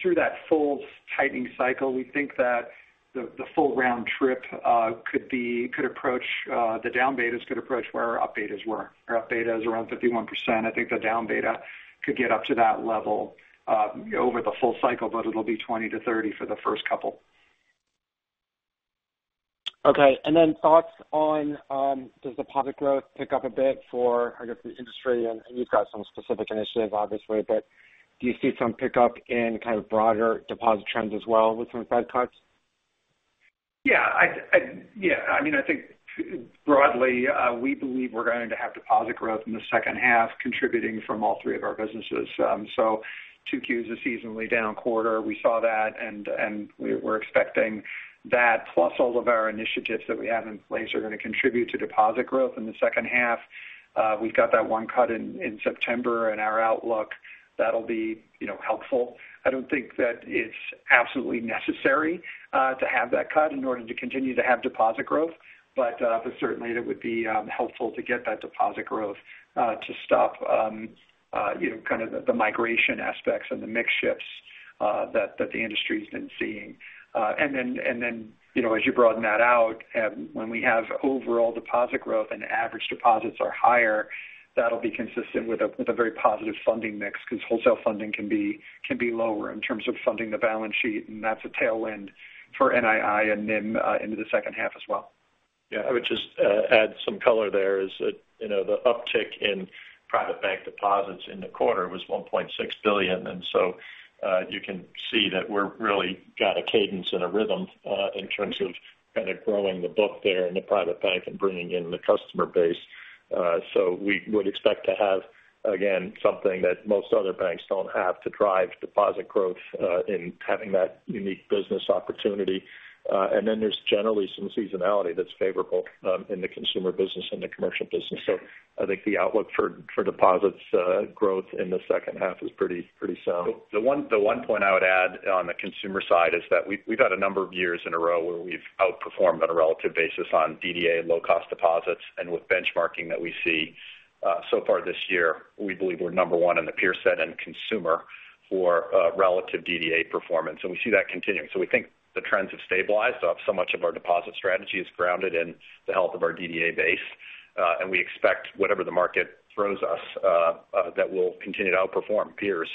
Through that full tightening cycle, we think that the full round trip could approach where our up betas were. The down betas could approach. Our up beta is around 51%. I think the down beta could get up to that level over the full cycle, but it'll be 20%-30% for the first couple. Okay. Then thoughts on, does the deposit growth pick up a bit for, I guess, the industry? You've got some specific initiatives, obviously, but do you see some pickup in kind of broader deposit trends as well with some Fed cuts? Yeah, yeah, I mean, I think broadly, we believe we're going to have deposit growth in the second half, contributing from all three of our businesses. So 2Q is, a seasonally down quarter. We saw that, and we're expecting that, plus all of our initiatives that we have in place are going to contribute to deposit growth in the second half. We've got that one cut in September, and our outlook, that'll be, you know, helpful. I don't think that it's absolutely necessary to have that cut in order to continue to have deposit growth, but certainly it would be helpful to get that deposit growth to stop, you know, kind of the migration aspects and the mix shifts, that the industry's been seeing. And then, you know, as you broaden that out, when we have overall deposit growth and average deposits are higher, that'll be consistent with a very positive funding mix, because wholesale funding can be lower in terms of funding the balance sheet, and that's a tailwind for NII and NIM into the second half as well. Yeah, I would just add some color there is that, you know, the uptick in private bank deposits in the quarter was $1.6 billion. And so, you can see that we're really got a cadence and a rhythm, in terms of kind of growing the book there in the private bank and bringing in the customer base. So we would expect to have, again, something that most other banks don't have to drive deposit growth, in having that unique business opportunity. And then there's generally some seasonality that's favorable, in the consumer business and the commercial business. So I think the outlook for, for deposits, growth in the second half is pretty, pretty sound. The one point I would add on the consumer side is that we've had a number of years in a row where we've outperformed on a relative basis on DDA and low-cost deposits. And with benchmarking that we see, so far this year, we believe we're number one in the peer set and consumer for relative DDA performance, and we see that continuing. So we think the trends have stabilized. So much of our deposit strategy is grounded in the health of our DDA base, and we expect whatever the market throws us, that we'll continue to outperform peers.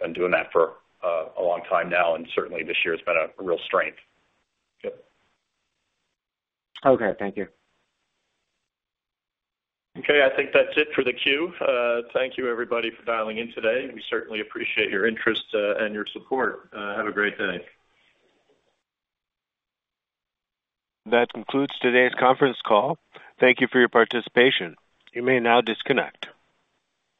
Been doing that for a long time now, and certainly this year has been a real strength. Yep. Okay. Thank you. Okay, I think that's it for the queue. Thank you, everybody, for dialing in today. We certainly appreciate your interest, and your support. Have a great day. That concludes today's conference call. Thank you for your participation. You may now disconnect.